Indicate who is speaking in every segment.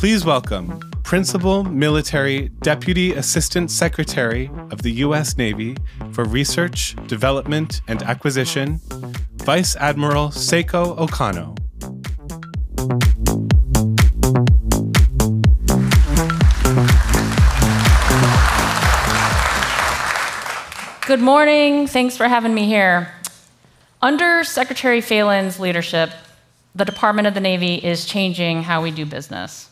Speaker 1: Please welcome Principal Military Deputy Assistant Secretary of the U.S. Navy for Research, Development, and Acquisition, Vice Admiral Seiko Okano.
Speaker 2: Good morning. Thanks for having me here. Under Secretary Phelan’s leadership, the Department of the Navy is changing how we do business.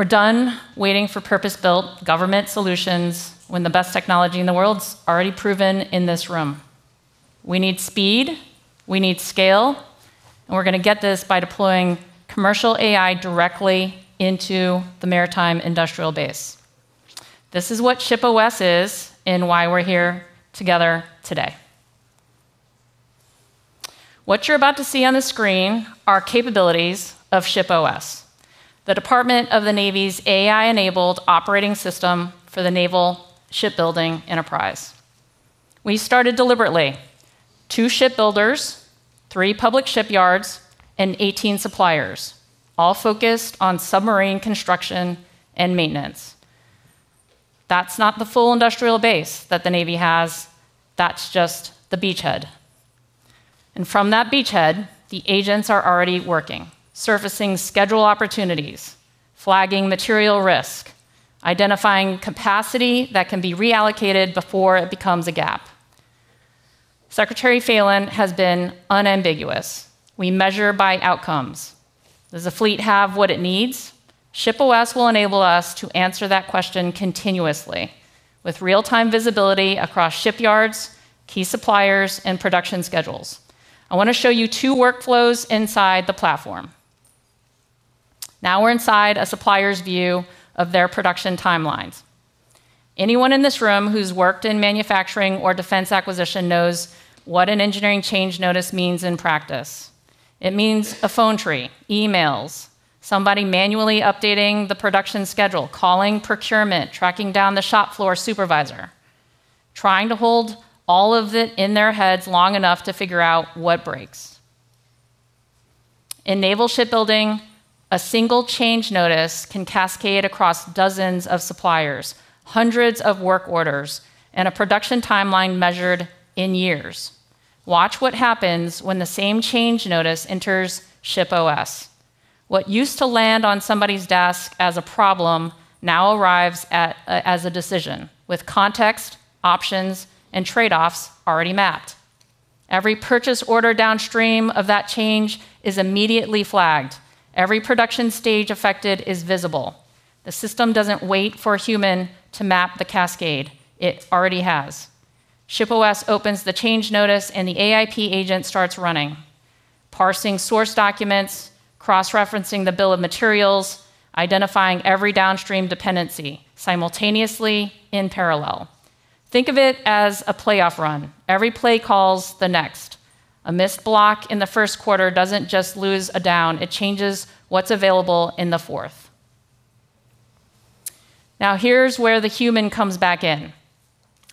Speaker 2: We're done waiting for purpose-built government solutions when the best technology in the world's already proven in this room. We need speed, we need scale, and we're gonna get this by deploying commercial AI directly into the maritime industrial base. This is what ShipOS is and why we're here together today. What you're about to see on the screen are capabilities of ShipOS, the Department of the Navy's AI-enabled operating system for the naval shipbuilding enterprise. We started deliberately, two shipbuilders, three public shipyards, and 18 suppliers, all focused on submarine construction and maintenance. That's not the full industrial base that the Navy has. That's just the beachhead. From that beachhead, the agents are already working, surfacing schedule opportunities, flagging material risk, identifying capacity that can be reallocated before it becomes a gap. Secretary Phalen has been unambiguous. We measure by outcomes. Does the fleet have what it needs? ShipOS will enable us to answer that question continuously with real-time visibility across shipyards, key suppliers, and production schedules. I wanna show you two workflows inside the platform. Now we're inside a supplier's view of their production timelines. Anyone in this room who's worked in manufacturing or defense acquisition knows what an engineering change notice means in practice. It means a phone tree, emails, somebody manually updating the production schedule, calling procurement, tracking down the shop floor supervisor, trying to hold all of it in their heads long enough to figure out what breaks. In naval shipbuilding, a single change notice can cascade across dozens of suppliers, hundreds of work orders, and a production timeline measured in years. Watch what happens when the same change notice enters ShipOS. What used to land on somebody's desk as a problem now arrives at, as a decision with context, options, and trade-offs already mapped. Every purchase order downstream of that change is immediately flagged. Every production stage affected is visible. The system doesn't wait for a human to map the cascade. It already has. ShipOS opens the change notice, and the AIP agent starts running, parsing source documents, cross-referencing the bill of materials, identifying every downstream dependency simultaneously in parallel. Think of it as a playoff run. Every play calls the next. A missed block in the first quarter doesn't just lose a down, it changes what's available in the fourth. Now, here's where the human comes back in.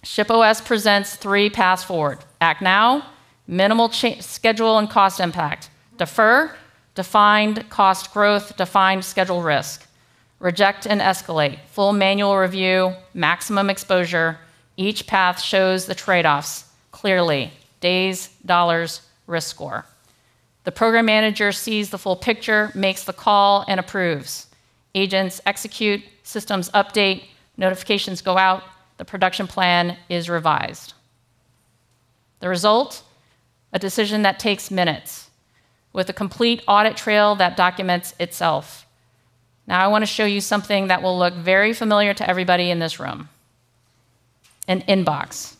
Speaker 2: ShipOS presents three paths forward. Act now, minimal schedule, and cost impact. Defer, defined cost growth, defined schedule risk. Reject and escalate, full manual review, maximum exposure. Each path shows the trade-offs clearly, days, dollars, risk score. The program manager sees the full picture, makes the call, and approves. Agents execute. Systems update. Notifications go out. The production plan is revised. The result, a decision that takes minutes with a complete audit trail that documents itself. Now I wanna show you something that will look very familiar to everybody in this room, an inbox.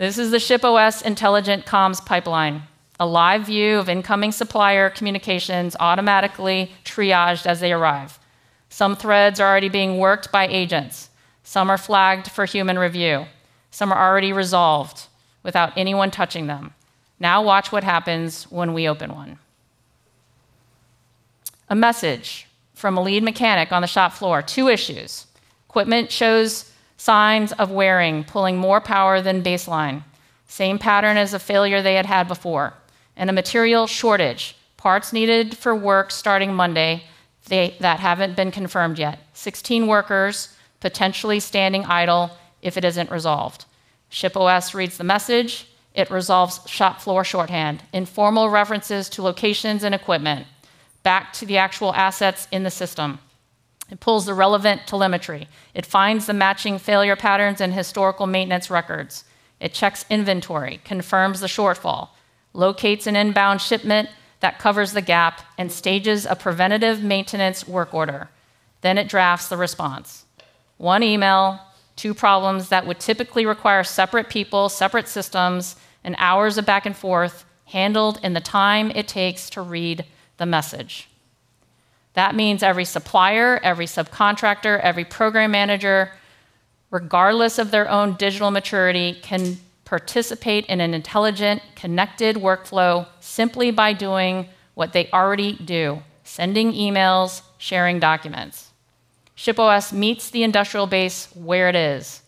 Speaker 2: This is the ShipOS intelligent comms pipeline, a live view of incoming supplier communications automatically triaged as they arrive. Some threads are already being worked by agents. Some are flagged for human review. Some are already resolved without anyone touching them. Now watch what happens when we open one. A message from a lead mechanic on the shop floor. Two issues. Equipment shows signs of wearing, pulling more power than baseline, same pattern as a failure they had had before. And a material shortage, parts needed for work starting Monday that haven't been confirmed yet. 16 workers potentially standing idle if it isn't resolved. ShipOS reads the message. It resolves shop floor shorthand, informal references to locations and equipment back to the actual assets in the system. It pulls the relevant telemetry. It finds the matching failure patterns and historical maintenance records. It checks inventory, confirms the shortfall, locates an inbound shipment that covers the gap, and stages a preventative maintenance work order. It drafts the response. One email, two problems that would typically require separate people, separate systems, and hours of back and forth, handled in the time it takes to read the message. That means every supplier, every subcontractor, every program manager, regardless of their own digital maturity, can participate in an intelligent, connected workflow simply by doing what they already do, sending emails, sharing documents. ShipOS meets the industrial base where it is,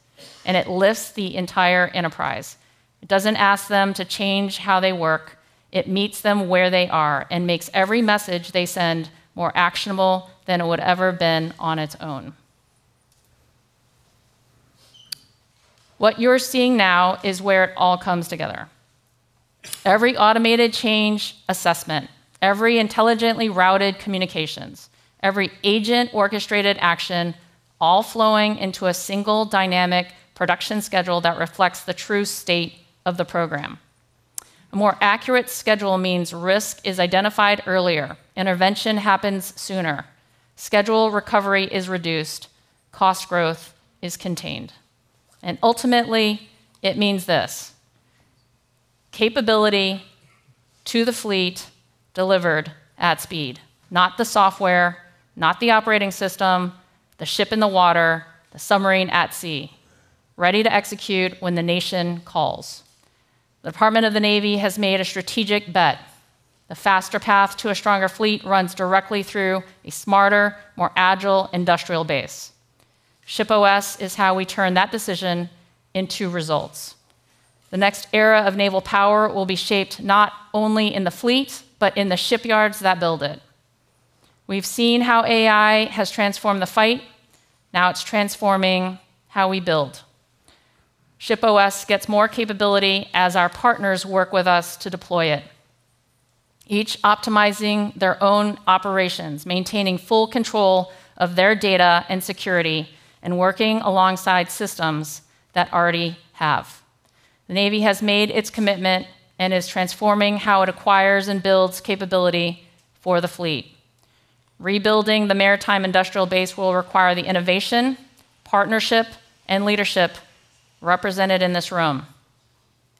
Speaker 2: and it lifts the entire enterprise. It doesn't ask them to change how they work. It meets them where they are and makes every message they send more actionable than it would ever been on its own. What you're seeing now is where it all comes together. Every automated change assessment, every intelligently routed communications, every agent orchestrated action, all flowing into a single dynamic production schedule that reflects the true state of the program. A more accurate schedule means risk is identified earlier, intervention happens sooner, schedule recovery is reduced, cost growth is contained. Ultimately, it means this. Capability to the fleet delivered at speed, not the software, not the operating system, the ship in the water, the submarine at sea, ready to execute when the nation calls. The Department of the Navy has made a strategic bet. The faster path to a stronger fleet runs directly through a smarter, more agile industrial base. ShipOS is how we turn that decision into results. The next era of naval power will be shaped not only in the fleet, but in the shipyards that build it. We've seen how AI has transformed the fight. Now it's transforming how we build. ShipOS gets more capability as our partners work with us to deploy it, each optimizing their own operations, maintaining full control of their data and security, and working alongside systems that already have. The Navy has made its commitment and is transforming how it acquires and builds capability for the fleet. Rebuilding the maritime industrial base will require the innovation, partnership, and leadership represented in this room,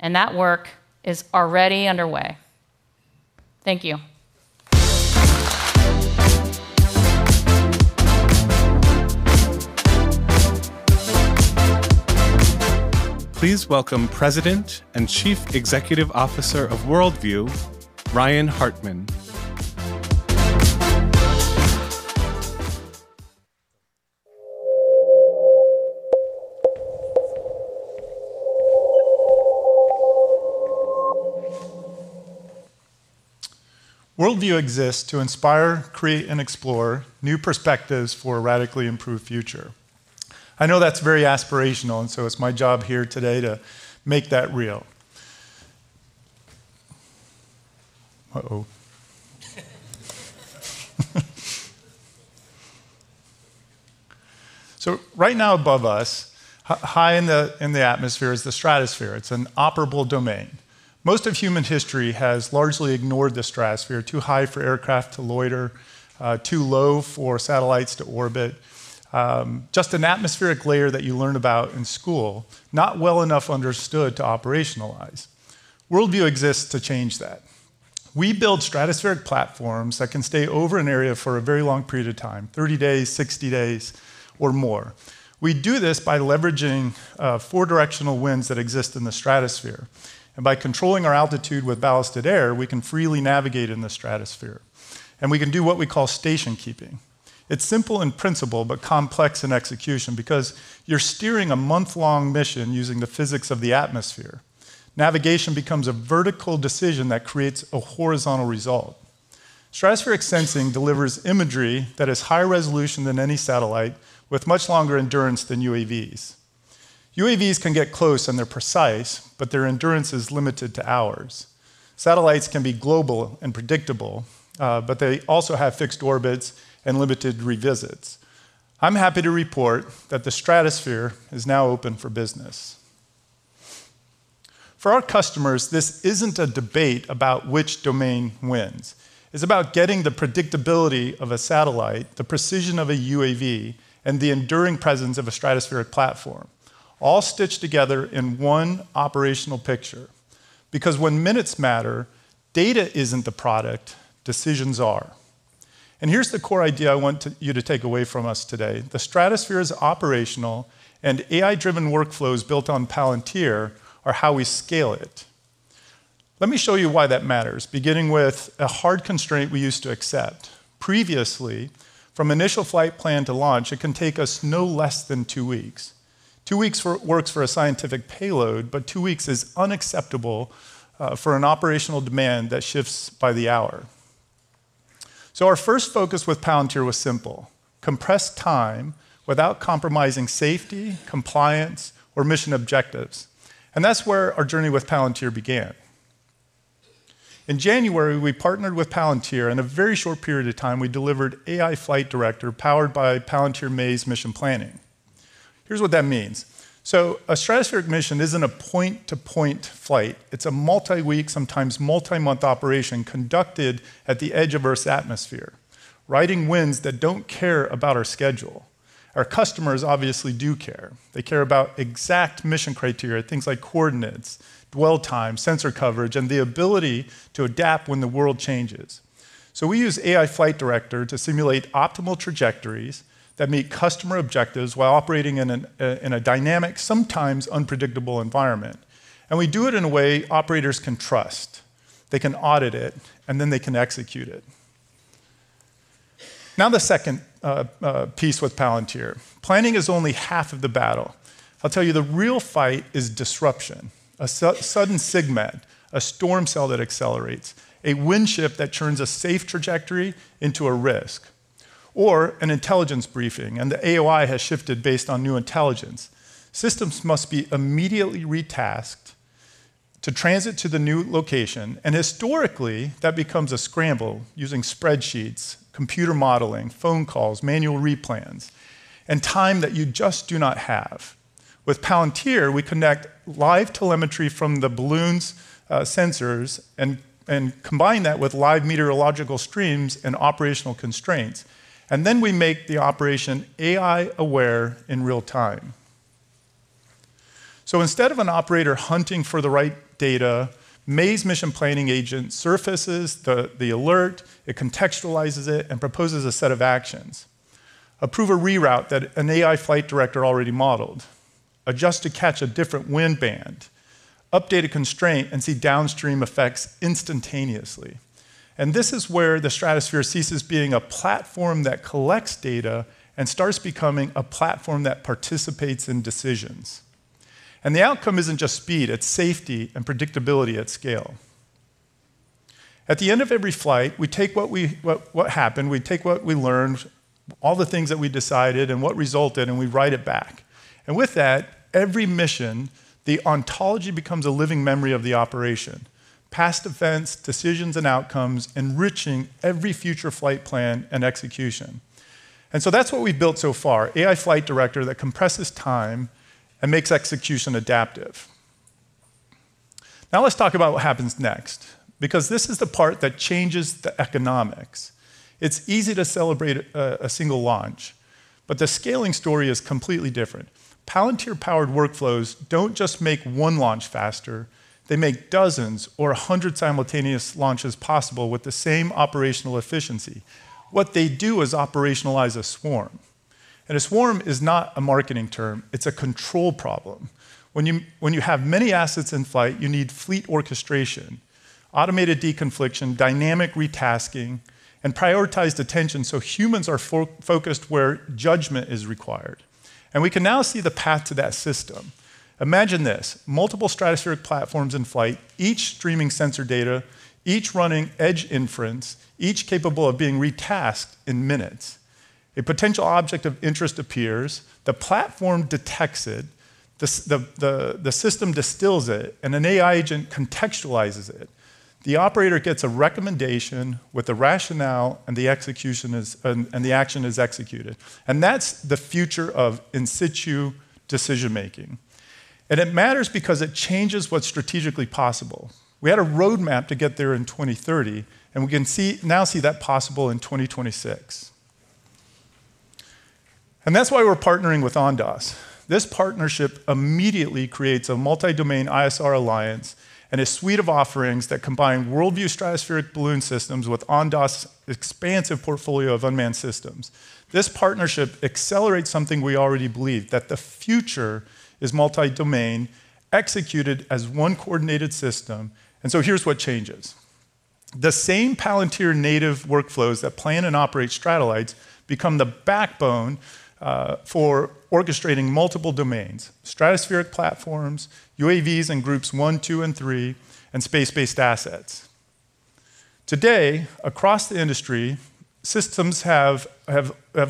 Speaker 2: and that work is already underway. Thank you.
Speaker 1: Please welcome President and Chief Executive Officer of World View, Ryan Hartman.
Speaker 3: World View exists to inspire, create, and explore new perspectives for a radically improved future. I know that's very aspirational, and so it's my job here today to make that real. Right now above us, high in the atmosphere is the stratosphere. It's an operable domain. Most of human history has largely ignored the stratosphere, too high for aircraft to loiter, too low for satellites to orbit, just an atmospheric layer that you learn about in school, not well enough understood to operationalize. World View exists to change that. We build stratospheric platforms that can stay over an area for a very long period of time, 30 days, 60 days, or more. We do this by leveraging four directional winds that exist in the stratosphere. By controlling our altitude with ballasted air, we can freely navigate in the stratosphere, and we can do what we call station keeping. It's simple in principle, but complex in execution because you're steering a month-long mission using the physics of the atmosphere. Navigation becomes a vertical decision that creates a horizontal result. Stratospheric sensing delivers imagery that is higher resolution than any satellite with much longer endurance than UAVs. UAVs can get close and they're precise, but their endurance is limited to hours. Satellites can be global and predictable, but they also have fixed orbits and limited revisits. I'm happy to report that the stratosphere is now open for business. For our customers, this isn't a debate about which domain wins. It's about getting the predictability of a satellite, the precision of a UAV, and the enduring presence of a stratospheric platform, all stitched together in one operational picture. Because when minutes matter, data isn't the product, decisions are. Here's the core idea I want you to take away from us today. The stratosphere is operational, and AI-driven workflows built on Palantir are how we scale it. Let me show you why that matters, beginning with a hard constraint we used to accept. Previously, from initial flight plan to launch, it can take us no less than two weeks. Two weeks works for a scientific payload, but 2 weeks is unacceptable for an operational demand that shifts by the hour. Our first focus with Palantir was simple: compress time without compromising safety, compliance, or mission objectives. That's where our journey with Palantir began. In January, we partnered with Palantir. In a very short period of time, we delivered AI Flight Director powered by Palantir Maven's mission planning. Here's what that means. A stratospheric mission isn't a point-to-point flight. It's a multi-week, sometimes multi-month operation conducted at the edge of Earth's atmosphere, riding winds that don't care about our schedule. Our customers obviously do care. They care about exact mission criteria, things like coordinates, dwell time, sensor coverage, and the ability to adapt when the world changes. We use AI Flight Director to simulate optimal trajectories that meet customer objectives while operating in a dynamic, sometimes unpredictable environment. We do it in a way operators can trust. They can audit it, and then they can execute it. Now the second piece with Palantir. Planning is only half of the battle. I'll tell you, the real fight is disruption. A sudden SIGMET, a storm cell that accelerates, a wind shift that turns a safe trajectory into a risk, or an intelligence briefing, and the AOI has shifted based on new intelligence. Systems must be immediately retasked to transit to the new location, and historically, that becomes a scramble using spreadsheets, computer modeling, phone calls, manual replans, and time that you just do not have. With Palantir, we connect live telemetry from the balloon's sensors and combine that with live meteorological streams and operational constraints, and then we make the operation AI aware in real time. Instead of an operator hunting for the right data, Maven's mission planning agent surfaces the alert, it contextualizes it, and proposes a set of actions. Approve a reroute that an AI Flight Director already modeled. Adjust to catch a different wind band. Update a constraint and see downstream effects instantaneously. This is where the stratosphere ceases being a platform that collects data and starts becoming a platform that participates in decisions. The outcome isn't just speed, it's safety and predictability at scale. At the end of every flight, we take what happened, we take what we learned, all the things that we decided and what resulted, and we write it back. With that, every mission, the Ontology becomes a living memory of the operation. Past events, decisions, and outcomes enriching every future flight plan and execution. That's what we've built so far, AI Flight Director that compresses time and makes execution adaptive. Now let's talk about what happens next, because this is the part that changes the economics. It's easy to celebrate a single launch, but the scaling story is completely different. Palantir-powered workflows don't just make one launch faster. They make dozens or 100 simultaneous launches possible with the same operational efficiency. What they do is operationalize a swarm. A swarm is not a marketing term, it's a control problem. When you have many assets in flight, you need fleet orchestration, automated deconfliction, dynamic retasking, and prioritized attention so humans are focused where judgment is required. We can now see the path to that system. Imagine this, multiple stratospheric platforms in flight, each streaming sensor data, each running edge inference, each capable of being retasked in minutes. A potential object of interest appears, the platform detects it, the system distills it, and an AI agent contextualizes it. The operator gets a recommendation with the rationale, and the action is executed. That's the future of in situ decision-making. It matters because it changes what's strategically possible. We had a roadmap to get there in 2030, and we can now see that possible in 2026. That's why we're partnering with Ondas. This partnership immediately creates a multi-domain ISR alliance and a suite of offerings that combine World View stratospheric balloon systems with Ondas’ expansive portfolio of unmanned systems. This partnership accelerates something we already believe, that the future is multi-domain, executed as one coordinated system. Here's what changes. The same Palantir native workflows that plan and operate Stratollite become the backbone for orchestrating multiple domains, stratospheric platforms, UAVs in groups one, two, and three, and space-based assets. Today, across the industry, systems have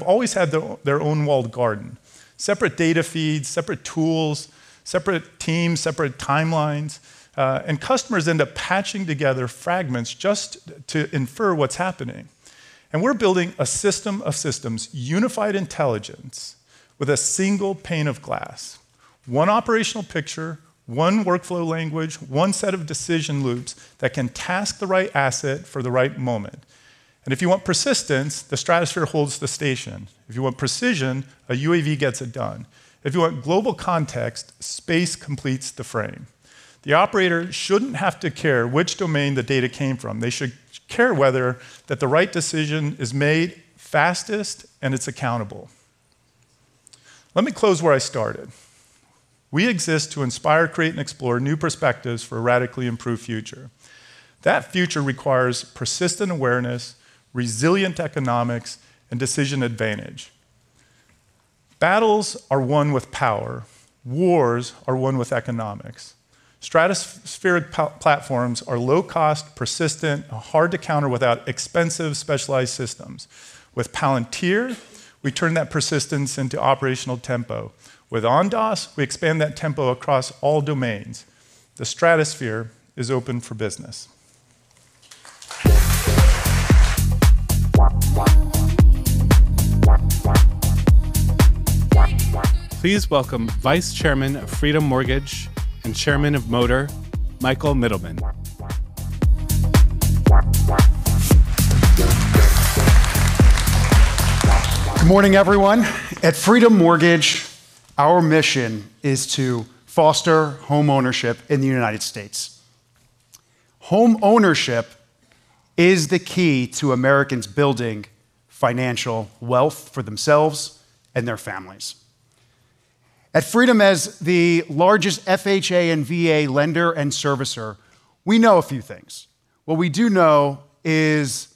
Speaker 3: always had their own walled garden. Separate data feeds, separate tools, separate teams, separate timelines, and customers end up patching together fragments just to infer what's happening. We're building a system of systems, unified intelligence with a single pane of glass. One operational picture, one workflow language, one set of decision loops that can task the right asset for the right moment. If you want persistence, the stratosphere holds the station. If you want precision, a UAV gets it done. If you want global context, space completes the frame. The operator shouldn't have to care which domain the data came from. They should care whether the right decision is made fastest and it's accountable. Let me close where I started. We exist to inspire, create, and explore new perspectives for a radically improved future. That future requires persistent awareness, resilient economics, and decision advantage. Battles are won with power. Wars are won with economics. Stratospheric platforms are low cost, persistent, hard to counter without expensive specialized systems. With Palantir, we turn that persistence into operational tempo. With Ondas, we expand that tempo across all domains. The stratosphere is open for business.
Speaker 1: Please welcome Vice Chairman of Freedom Mortgage and Chairman of Motor, Michael Middleman.
Speaker 4: Good morning everyone. At Freedom Mortgage, our mission is to foster homeownership in the United States. Homeownership is the key to Americans building financial wealth for themselves and their families. At Freedom as the largest FHA and VA lender and servicer, we know a few things. What we do know is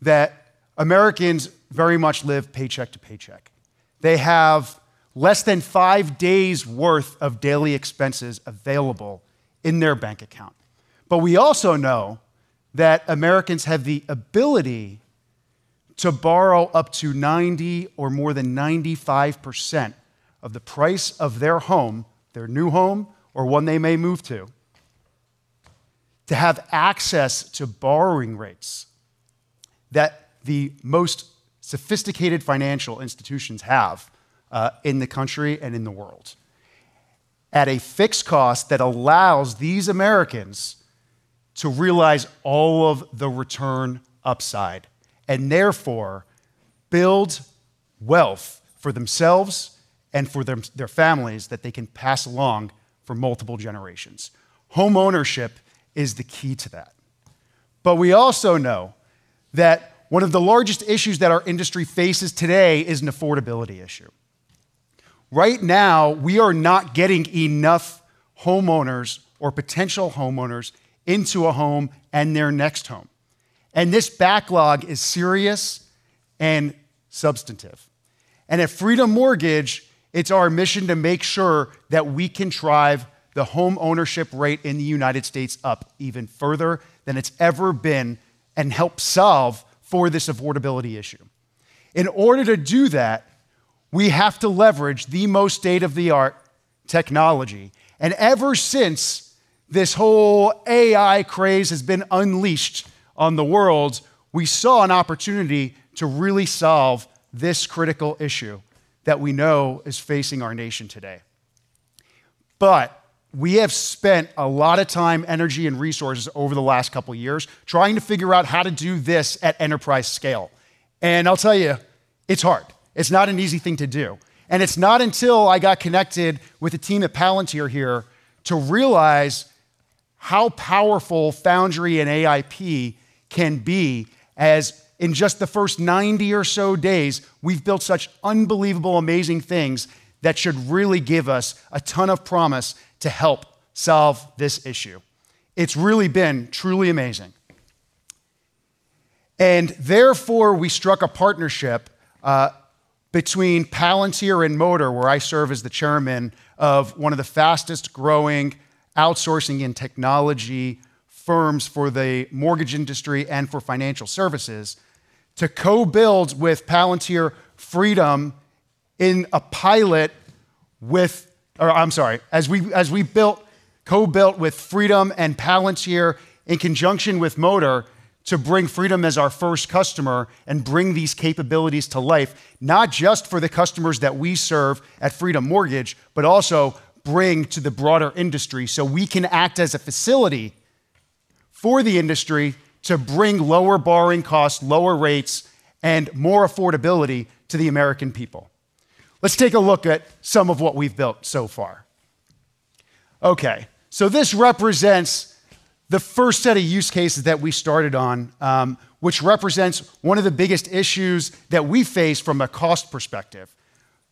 Speaker 4: that Americans very much live paycheck to paycheck. They have less than five days worth of daily expenses available in their bank account. We also know that Americans have the ability to borrow up to 90% or more than 95% of the price of their home, their new home, or one they may move to. Have access to borrowing rates that the most sophisticated financial institutions have in the country and in the world at a fixed cost that allows these Americans to realize all of the return upside and therefore build wealth for themselves and for their families that they can pass along for multiple generations. Homeownership is the key to that. We also know that one of the largest issues that our industry faces today is an affordability issue. Right now, we are not getting enough homeowners or potential homeowners into a home and their next home. This backlog is serious and substantive. At Freedom Mortgage, it's our mission to make sure that we can drive the homeownership rate in the United States up even further than it's ever been and help solve for this affordability issue. In order to do that, we have to leverage the most state-of-the-art technology. Ever since this whole AI craze has been unleashed on the world, we saw an opportunity to really solve this critical issue that we know is facing our nation today. We have spent a lot of time, energy, and resources over the last couple years trying to figure out how to do this at enterprise scale. I'll tell you, it's hard. It's not an easy thing to do. It's not until I got connected with the team at Palantir here to realize how powerful Foundry and AIP can be, as in just the first 90 or so days, we've built such unbelievable, amazing things that should really give us a ton of promise to help solve this issue. It's really been truly amazing. Therefore, we struck a partnership between Palantir and Motor, where I serve as the chairman of one of the fastest-growing outsourcing and technology firms for the mortgage industry and for financial services, to co-build with Palantir Freedom in a pilot with. I'm sorry, as we built, co-built with Freedom Mortgage and Palantir in conjunction with Motor to bring Freedom Mortgage as our first customer and bring these capabilities to life, not just for the customers that we serve at Freedom Mortgage, but also bring to the broader industry so we can act as a facility for the industry to bring lower borrowing costs, lower rates, and more affordability to the American people. Let's take a look at some of what we've built so far. Okay. So this represents the first set of use cases that we started on, which represents one of the biggest issues that we face from a cost perspective.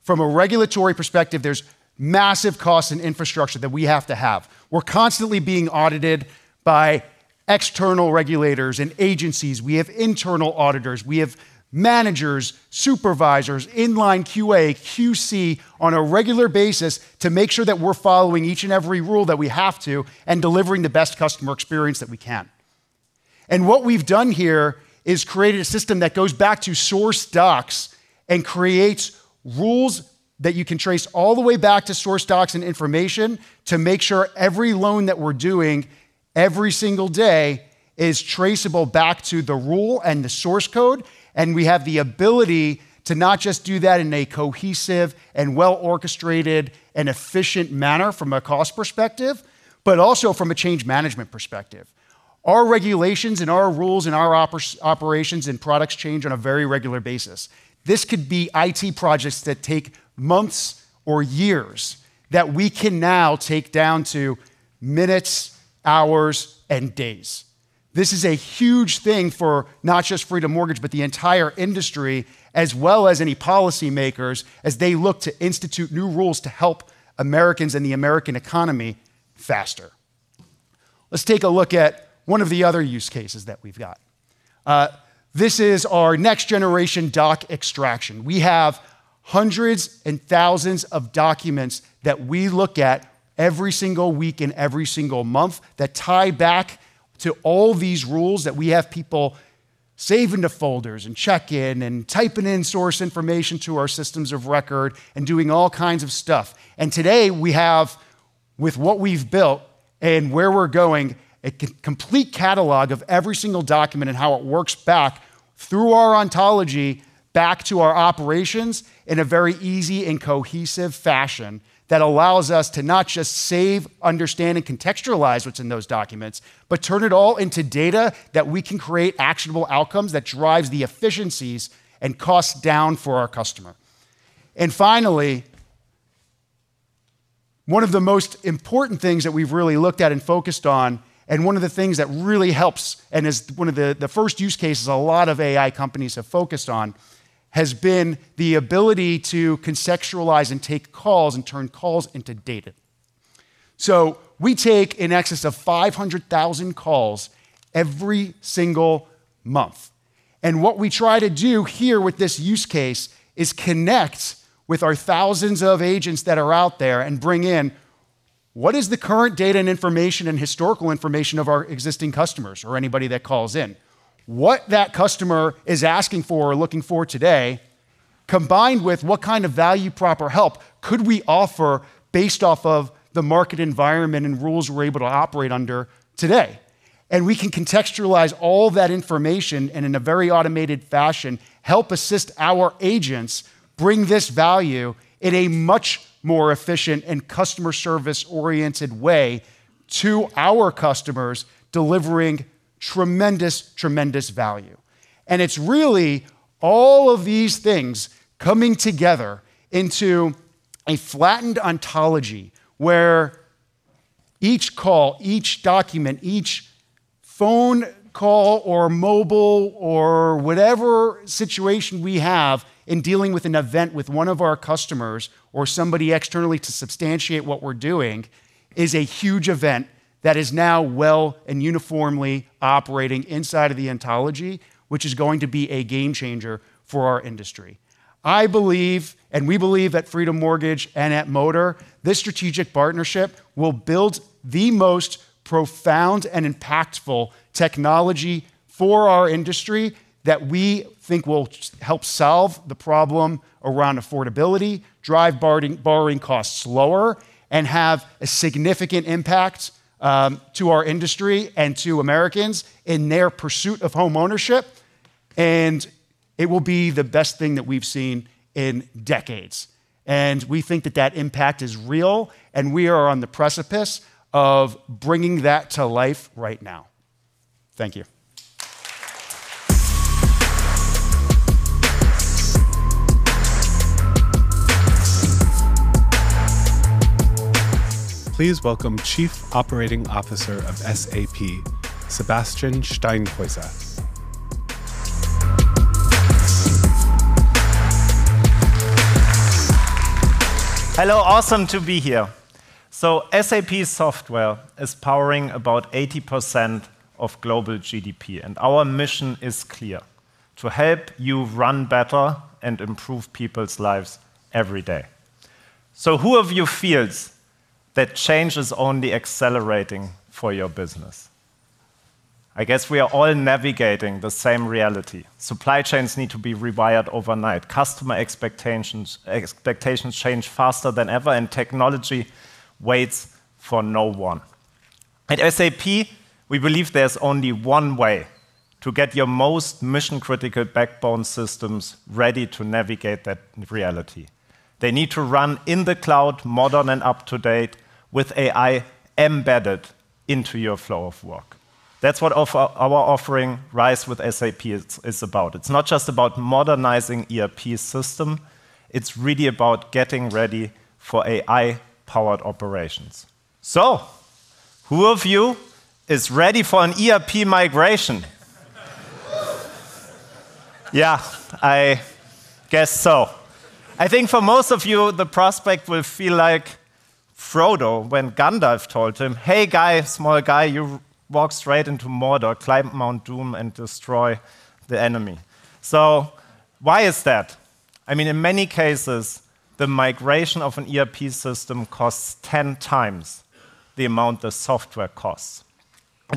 Speaker 4: From a regulatory perspective, there's massive costs and infrastructure that we have to have. We're constantly being audited by external regulators and agencies. We have internal auditors. We have managers, supervisors, inline QA, QC on a regular basis to make sure that we're following each and every rule that we have to and delivering the best customer experience that we can. What we've done here is created a system that goes back to source docs and creates rules that you can trace all the way back to source docs and information to make sure every loan that we're doing every single day is traceable back to the rule and the source code. And we have the ability to not just do that in a cohesive and well-orchestrated and efficient manner from a cost perspective, but also from a change management perspective. Our regulations and our rules and our operations and products change on a very regular basis. This could be IT projects that take months or years that we can now take down to minutes, hours, and days. This is a huge thing for not just Freedom Mortgage, but the entire industry as well as any policymakers as they look to institute new rules to help Americans and the American economy faster. Let's take a look at one of the other use cases that we've got. This is our next generation doc extraction. We have hundreds and thousands of documents that we look at every single week and every single month that tie back to all these rules that we have people saving to folders and check-in and typing in source information to our systems of record and doing all kinds of stuff. Today, we have—with what we've built and where we're going, a complete catalog of every single document and how it works back through our Ontology back to our operations in a very easy and cohesive fashion that allows us to not just save, understand, and contextualize what's in those documents, but turn it all into data that we can create actionable outcomes that drives the efficiencies and costs down for our customer. Finally, one of the most important things that we've really looked at and focused on, and one of the things that really helps and is one of the first use cases a lot of AI companies have focused on, has been the ability to conceptualize and take calls and turn calls into data. We take in excess of 500,000 calls every single month, and what we try to do here with this use case is connect with our thousands of agents that are out there and bring in what is the current data and information and historical information of our existing customers or anybody that calls in. What that customer is asking for or looking for today, combined with what kind of value, proper help could we offer based off of the market environment and rules we're able to operate under today. We can contextualize all that information and in a very automated fashion, help assist our agents bring this value in a much more efficient and customer service-oriented way to our customers, delivering tremendous value. It's really all of these things coming together into a flattened Ontology, where each call, each document, each phone call or mobile or whatever situation we have. In dealing with an event with one of our customers, or somebody externally, to substantiate what we're doing, is a huge event that is now well and uniformly operating inside of the Ontology, which is going to be a game changer for our industry. I believe, and we believe at Freedom Mortgage and at Palantir, this strategic partnership will build the most profound and impactful technology for our industry, that we think will help solve the problem around affordability, drive borrowing costs lower, and have a significant impact to our industry and to Americans in their pursuit of home ownership. It will be the best thing that we've seen in decades. We think that impact is real, and we are on the precipice of bringing that to life right now. Thank you.
Speaker 1: Please welcome Chief Operating Officer of SAP, Sebastian Steinhäuser.
Speaker 5: Hello. Awesome to be here. SAP software is powering about 80% of global GDP, and our mission is clear, to help you run better and improve people's lives every day. Who of you feels that change is only accelerating for your business? I guess we are all navigating the same reality. Supply chains need to be rewired overnight. Customer expectations change faster than ever, and technology waits for no one. At SAP, we believe there's only one way to get your most mission-critical backbone systems ready to navigate that reality. They need to run in the cloud, modern and up to date, with AI embedded into your flow of work. That's what our offering RISE with SAP is about. It's not just about modernizing ERP system, it's really about getting ready for AI-powered operations. Who of you is ready for an ERP migration? Yeah, I guess so. I think for most of you, the prospect will feel like Frodo when Gandalf told him, "Hey guy, small guy, you walk straight into Mordor, climb Mount Doom, and destroy the enemy." Why is that? I mean, in many cases, the migration of an ERP system costs ten times the amount the software costs.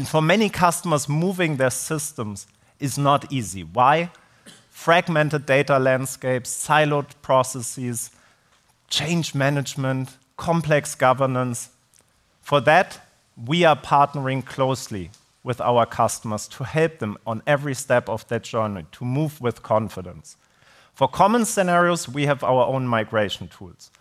Speaker 5: For many customers, moving their systems is not easy. Why? Fragmented data landscapes, siloed processes, change management, complex governance. For that, we are partnering closely with our customers to help them on every step of their journey to move with confidence. For common scenarios, we have our own migration tools.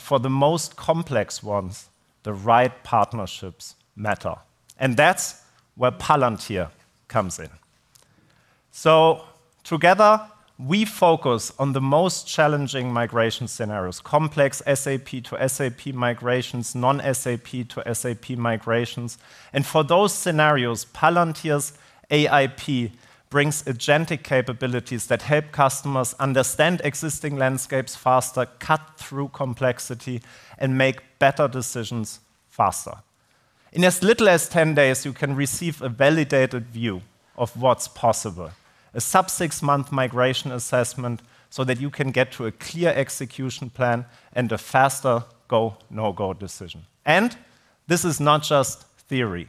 Speaker 5: For the most complex ones, the right partnerships matter. That's where Palantir comes in. Together, we focus on the most challenging migration scenarios, complex SAP to SAP migrations, non-SAP to SAP migrations. For those scenarios, Palantir's AIP brings agentic capabilities that help customers understand existing landscapes faster, cut through complexity, and make better decisions faster. In as little as 10 days, you can receive a validated view of what's possible, a sub six-month migration assessment so that you can get to a clear execution plan and a faster go, no-go decision. This is not just theory.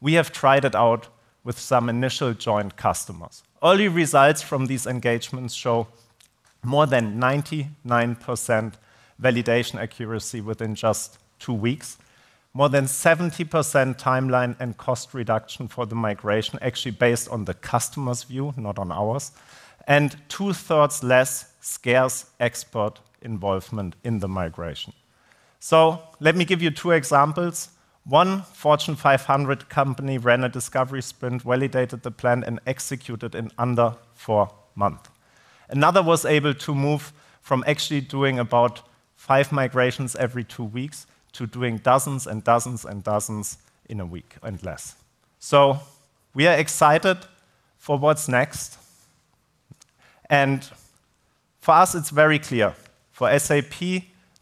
Speaker 5: We have tried it out with some initial joint customers. Early results from these engagements show more than 99% validation accuracy within just two weeks, more than 70% timeline and cost reduction for the migration, actually based on the customer's view, not on ours, and 2/3 less scarce expert involvement in the migration. Let me give you two examples. One Fortune 500 company ran a discovery sprint, validated the plan and executed in under four months. Another was able to move from actually doing about five migrations every two weeks to doing dozens and dozens and dozens in a week and less. We are excited for what's next. For us, it's very clear. For SAP,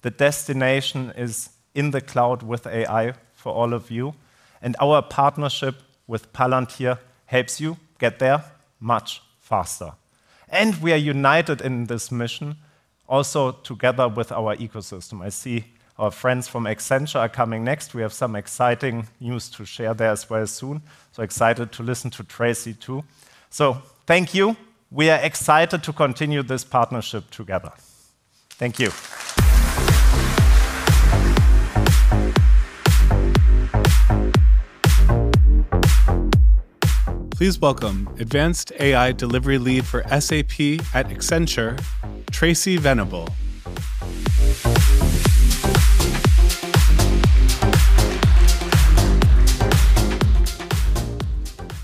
Speaker 5: the destination is in the cloud with AI for all of you, and our partnership with Palantir helps you get there much faster. We are united in this mission also together with our ecosystem. I see our friends from Accenture are coming next. We have some exciting news to share there as well soon. Excited to listen to Tracy too. Thank you. We are excited to continue this partnership together. Thank you.
Speaker 1: Please welcome Advanced AI Delivery Lead for SAP at Accenture, Tracy Venable.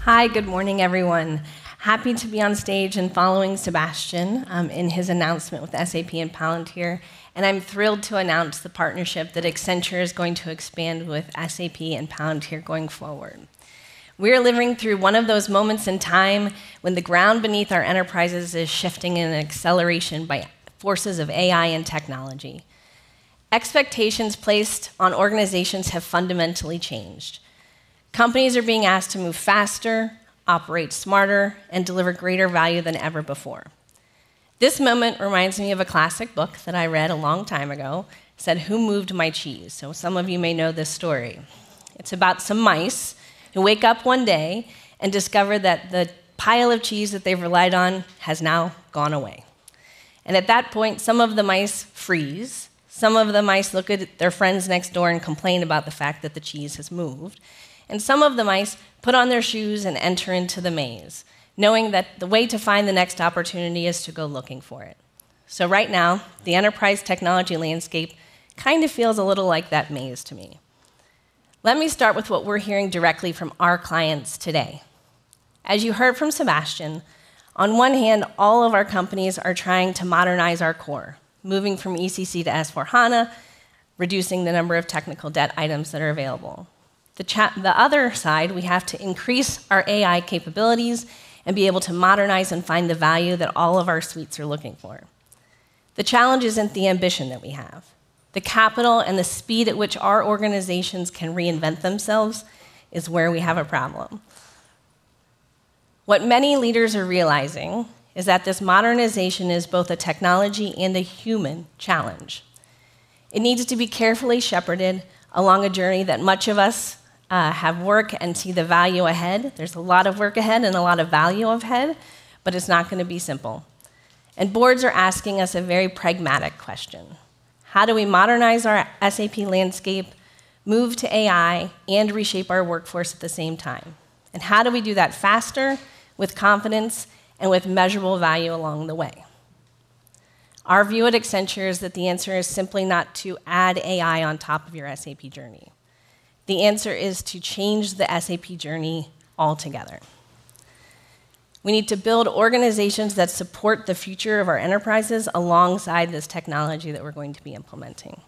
Speaker 6: Hi. Good morning, everyone. Happy to be on stage and following Sebastian in his announcement with SAP and Palantir, and I'm thrilled to announce the partnership that Accenture is going to expand with SAP and Palantir going forward. We're living through one of those moments in time when the ground beneath our enterprises is shifting in an acceleration by forces of AI and technology. Expectations placed on organizations have fundamentally changed. Companies are being asked to move faster, operate smarter, and deliver greater value than ever before. This moment reminds me of a classic book that I read a long time ago. It said, Who Moved My Cheese? Some of you may know this story. It's about some mice who wake up one day and discover that the pile of cheese that they've relied on has now gone away. At that point, some of the mice freeze, some of the mice look at their friends next door and complain about the fact that the cheese has moved, and some of the mice put on their shoes and enter into the maze, knowing that the way to find the next opportunity is to go looking for it. Right now, the enterprise technology landscape kind of feels a little like that maze to me. Let me start with what we're hearing directly from our clients today. As you heard from Sebastian, on one hand, all of our companies are trying to modernize our core, moving from ECC to S/4HANA, reducing the number of technical debt items that are available. The other side, we have to increase our AI capabilities and be able to modernize and find the value that all of our suites are looking for. The challenge isn't the ambition that we have. The capital and the speed at which our organizations can reinvent themselves is where we have a problem. What many leaders are realizing is that this modernization is both a technology and a human challenge. It needs to be carefully shepherded along a journey that many of us have worked to see the value ahead. There's a lot of work ahead and a lot of value ahead, but it's not gonna be simple. Boards are asking us a very pragmatic question: How do we modernize our SAP landscape, move to AI, and reshape our workforce at the same time? How do we do that faster, with confidence, and with measurable value along the way? Our view at Accenture is that the answer is simply not to add AI on top of your SAP journey. The answer is to change the SAP journey altogether. We need to build organizations that support the future of our enterprises alongside this technology that we're going to be implementing.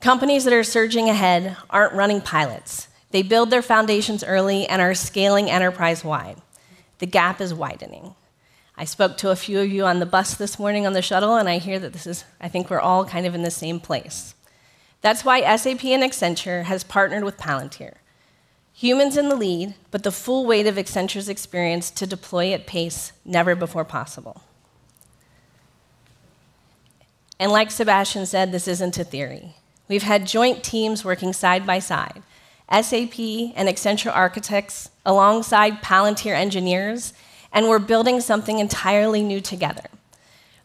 Speaker 6: Companies that are surging ahead aren't running pilots. They build their foundations early and are scaling enterprise-wide. The gap is widening. I spoke to a few of you on the bus this morning on the shuttle, and I hear that this is, I think we're all kind of in the same place. That's why SAP and Accenture has partnered with Palantir. Humans in the lead, but the full weight of Accenture's experience to deploy at pace never before possible. Like Sebastian said, this isn't a theory. We've had joint teams working side by side, SAP and Accenture architects alongside Palantir engineers, and we're building something entirely new together.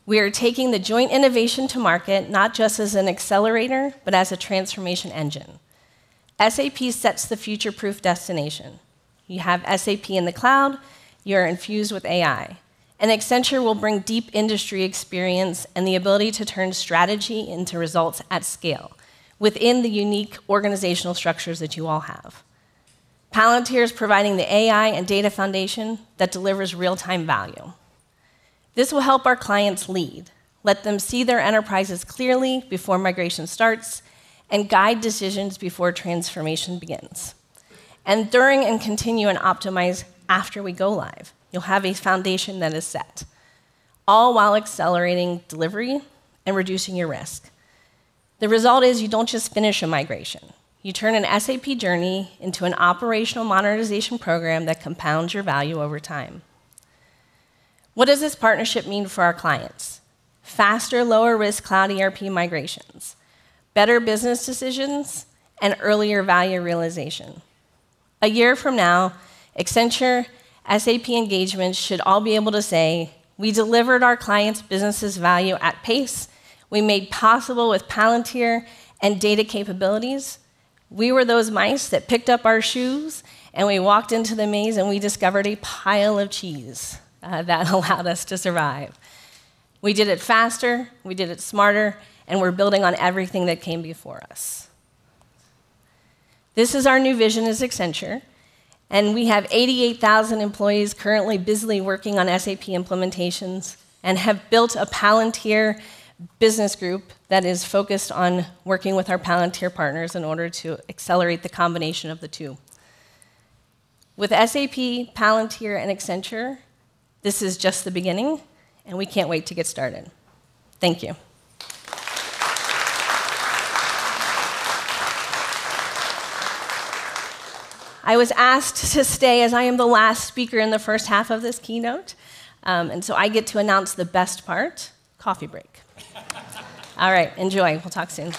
Speaker 6: We are taking the joint innovation to market not just as an accelerator, but as a transformation engine. SAP sets the future-proof destination. You have SAP in the cloud, you're infused with AI, and Accenture will bring deep industry experience and the ability to turn strategy into results at scale within the unique organizational structures that you all have. Palantir is providing the AI and data foundation that delivers real-time value. This will help our clients lead, let them see their enterprises clearly before migration starts, and guide decisions before transformation begins, and during and continue and optimize after we go live. You'll have a foundation that is set, all while accelerating delivery and reducing your risk. The result is you don't just finish a migration, you turn an SAP journey into an operational monetization program that compounds your value over time. What does this partnership mean for our clients? Faster, lower risk cloud ERP migrations, better business decisions, and earlier value realization. A year from now, Accenture SAP engagements should all be able to say, "We delivered our clients' businesses value at pace we made possible with Palantir and data capabilities. We were those mice that picked up our shoes, and we walked into the maze, and we discovered a pile of cheese, that allowed us to survive. We did it faster, we did it smarter, and we're building on everything that came before us." This is our new vision as Accenture, and we have 88,000 employees currently busily working on SAP implementations and have built a Palantir business group that is focused on working with our Palantir partners in order to accelerate the combination of the two. With SAP, Palantir, and Accenture, this is just the beginning, and we can't wait to get started. Thank you.I was asked to stay as I am the last speaker in the first half of this keynote, and so I get to announce the best part, coffee break. All right. Enjoy. We'll talk soon.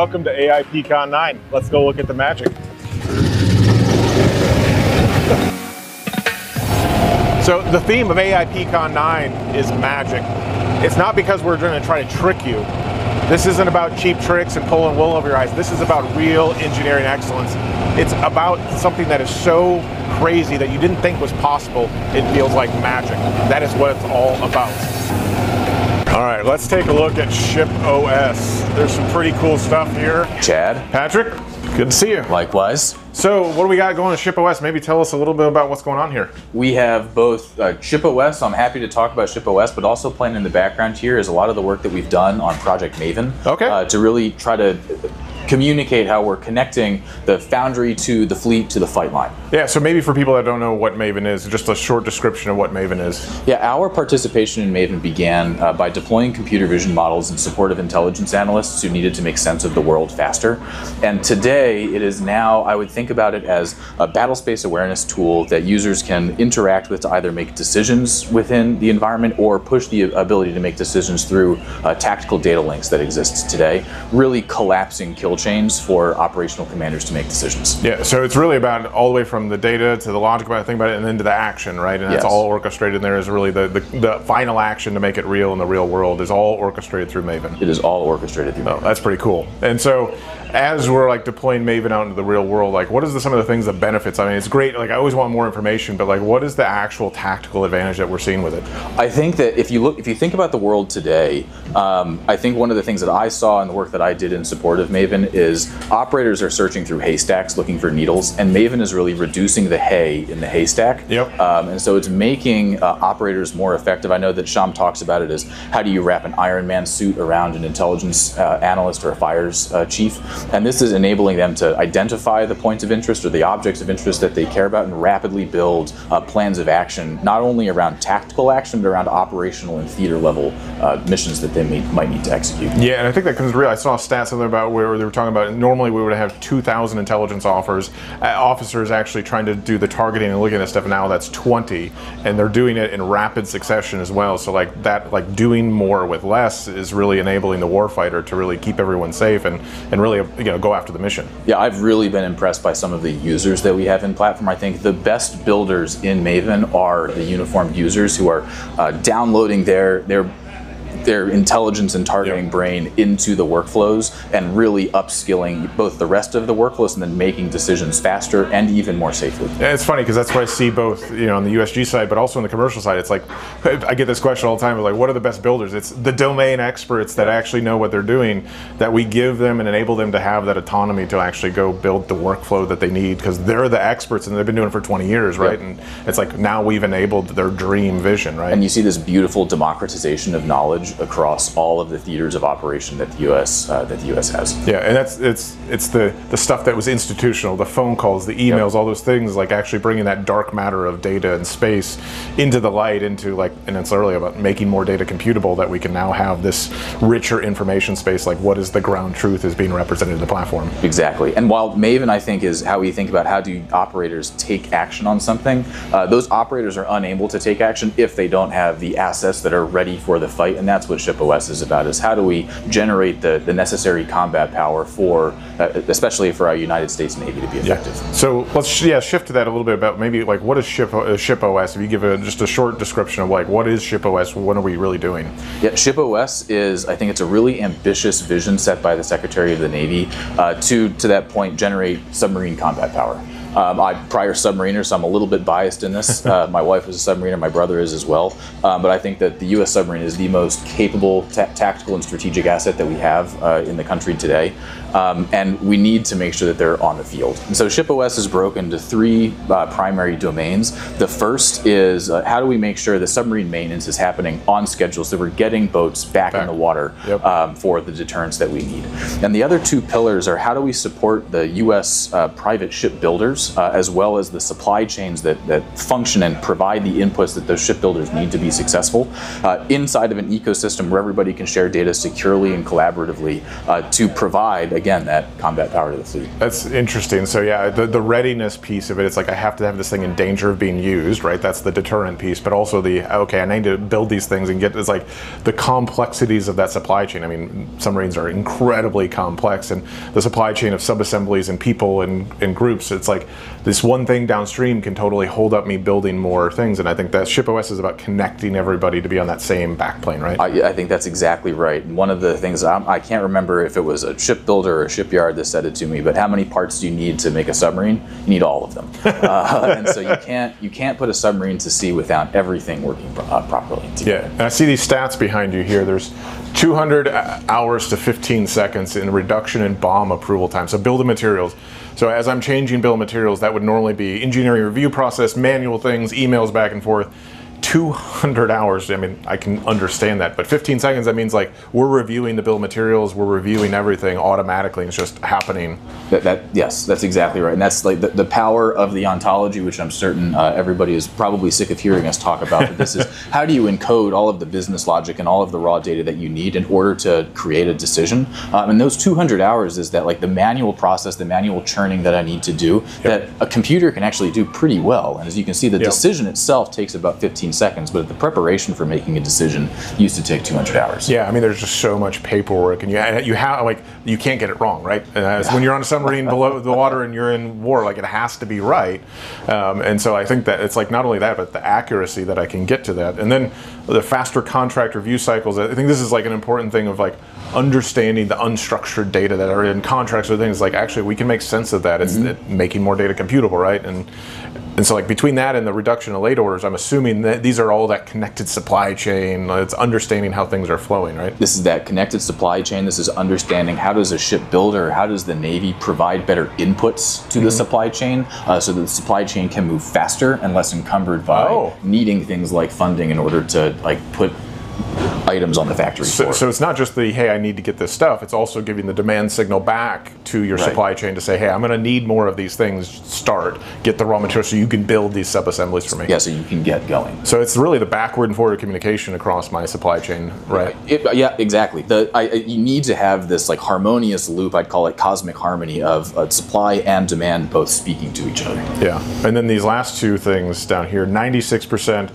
Speaker 7: Welcome to AIPCon 9. Let's go look at the magic. The theme of AIPCon 9 is magic. It's not because we're gonna try to trick you. This isn't about cheap tricks and pulling the wool over your eyes. This is about real engineering excellence. It's about something that is so crazy that you didn't think was possible, it feels like magic. That is what it's all about. All right, let's take a look at ShipOS. There's some pretty cool stuff here.
Speaker 8: Chad.
Speaker 7: Patrick, good to see you.
Speaker 8: Likewise.
Speaker 7: What do we got going with ShipOS? Maybe tell us a little bit about what's going on here.
Speaker 8: We have both, ShipOS, so I'm happy to talk about ShipOS, but also playing in the background here is a lot of the work that we've done on Project Maven.
Speaker 7: Okay
Speaker 8: To really try to communicate how we're connecting the Foundry to the fleet to the flight line.
Speaker 7: Yeah, maybe for people that don't know what Maven is, just a short description of what Maven is.
Speaker 8: Yeah, our participation in Maven began by deploying computer vision models in support of intelligence analysts who needed to make sense of the world faster. Today it is now, I would think about it as a battlespace awareness tool that users can interact with to either make decisions within the environment or push the ability to make decisions through tactical data links that exists today, really collapsing kill chains for operational commanders to make decisions.
Speaker 7: Yeah, it's really about all the way from the data to the logic, when I think about it, and then to the action, right?
Speaker 8: Yes.
Speaker 7: It's all orchestrated, and there is really the final action to make it real in the real world is all orchestrated through Maven.
Speaker 8: It is all orchestrated through Maven.
Speaker 7: Oh, that's pretty cool. As we're, like, deploying Maven out into the real world, like, what are some of the things, the benefits? I mean, it's great. Like, I always want more information, but, like, what is the actual tactical advantage that we're seeing with it?
Speaker 8: If you think about the world today, I think one of the things that I saw in the work that I did in support of Maven is operators are searching through haystacks looking for needles, and Maven is really reducing the hay in the haystack.
Speaker 7: Yep.
Speaker 8: It's making operators more effective. I know that Shyam talks about it as, how do you wrap an Iron Man suit around an intelligence analyst or a fires chief? This is enabling them to identify the points of interest or the objects of interest that they care about and rapidly build plans of action, not only around tactical action, but around operational and theater level missions that they need, might need to execute.
Speaker 7: Yeah, I think I saw a stat somewhere about where they were talking about normally we would have 2,000 intelligence officers actually trying to do the targeting and looking at stuff. Now that's 20, and they're doing it in rapid succession as well. Like, that, like, doing more with less is really enabling the warfighter to really keep everyone safe and really, you know, go after the mission.
Speaker 8: Yeah, I've really been impressed by some of the users that we have in platform. I think the best builders in Maven are the uniformed users who are downloading their intelligence and targeting brain into the workflows and really upskilling both the rest of the workflows and then making decisions faster and even more safely.
Speaker 7: It's funny 'cause that's what I see both, you know, on the USG side, but also on the commercial side. It's like I get this question all the time of like, "What are the best builders?" It's the domain experts that actually know what they're doing, that we give them and enable them to have that autonomy to actually go build the workflow that they need. 'Cause they're the experts, and they've been doing it for 20 years, right?
Speaker 8: Yep.
Speaker 7: It's like now we've enabled their dream vision, right?
Speaker 8: You see this beautiful democratization of knowledge across all of the theaters of operation that the U.S. has.
Speaker 7: Yeah, that's it. It's the stuff that was institutional, the phone calls, the emails.
Speaker 8: Yep
Speaker 7: All those things, like actually bringing that dark matter of data and space into the light, into, like. It's really about making more data computable, that we can now have this richer information space, like what is the ground truth as being represented in the platform.
Speaker 8: Exactly. While Maven, I think, is how we think about how do operators take action on something, those operators are unable to take action if they don't have the assets that are ready for the fight, and that's what ShipOS is about, is how do we generate the necessary combat power for, especially for our United States Navy to be effective.
Speaker 7: Let's shift to that a little bit about maybe, like, what is ShipOS? Will you give just a short description of, like, what is ShipOS? What are we really doing?
Speaker 8: Yeah. ShipOS is, I think it's a really ambitious vision set by the Secretary of the Navy, to that point, generate submarine combat power. I'm a prior submariner, so I'm a little bit biased in this. My wife was a submariner. My brother is as well. But I think that the U.S. submarine is the most capable tactical and strategic asset that we have in the country today. We need to make sure that they're on the field. ShipOS is broken into three primary domains. The first is how do we make sure the submarine maintenance is happening on schedule, so we're getting boats back in the water for the deterrence that we need? The other two pillars are how do we support the U.S. private shipbuilders, as well as the supply chains that function and provide the inputs that those shipbuilders need to be successful, inside of an ecosystem where everybody can share data securely and collaboratively, to provide, again, that combat power to the sea.
Speaker 7: That's interesting. Yeah, the readiness piece of it's like I have to have this thing in danger of being used, right? That's the deterrent piece. Also, okay, I need to build these things and get this, like, the complexities of that supply chain. I mean, submarines are incredibly complex, and the supply chain of subassemblies and people and groups, it's like this one thing downstream can totally hold up me building more things. I think that ShipOS is about connecting everybody to be on that same back plane, right?
Speaker 8: Yeah, I think that's exactly right. One of the things, I can't remember if it was a shipbuilder or shipyard that said it to me, but how many parts do you need to make a submarine? You need all of them. You can't put a submarine to sea without everything working properly together.
Speaker 7: Yeah. I see these stats behind you here. There's 200 hours to 15 seconds in reduction in BOM approval time, so bill of materials. As I'm changing bill of materials, that would normally be engineering review process, manual things, emails back and forth. 200 hours. I mean, I can understand that. But 15 seconds, that means, like, we're reviewing the bill of materials, we're reviewing everything automatically, and it's just happening.
Speaker 8: That. Yes. That's exactly right. That's, like, the power of the Ontology, which I'm certain everybody is probably sick of hearing us talk about how do you encode all of the business logic and all of the raw data that you need in order to create a decision? Those 200 hours is that, like, the manual process, the manual churning that I need to do, that a computer can actually do pretty well. As you can see, the decision itself takes about 15 seconds, but the preparation for making a decision used to take 200 hours.
Speaker 7: Yeah. I mean, there's just so much paperwork, and like, you can't get it wrong, right? Especially when you're on a submarine below the water and you're in war, like, it has to be right. I think that it's, like, not only that, but the accuracy that I can get to that. Then the faster contract review cycles. I think this is, like, an important thing of, like, understanding the unstructured data that are in contracts or things, like actually we can make sense of that Isn't it, making more data computable, right? Like, between that and the reduction of late orders, I'm assuming these are all that connected supply chain. It's understanding how things are flowing, right?
Speaker 8: This is that connected supply chain. This is understanding how does a ship builder, how does the Navy provide better inputs to the supply chain, so that the supply chain can move faster and less encumbered by needing things like funding in order to, like, put items on the factory floor.
Speaker 7: It's not just the, "Hey, I need to get this stuff," it's also giving the demand signal back to your supply chain to say, "Hey, I'm gonna need more of these things. Start. Get the raw materials so you can build these subassemblies for me.
Speaker 8: Yeah, you can get going.
Speaker 7: It's really the backward and forward communication across my supply chain, right?
Speaker 8: Yeah, exactly. You need to have this, like, harmonious loop, I'd call it, cosmic harmony of supply and demand both speaking to each other.
Speaker 7: Yeah. Then these last two things down here, 96%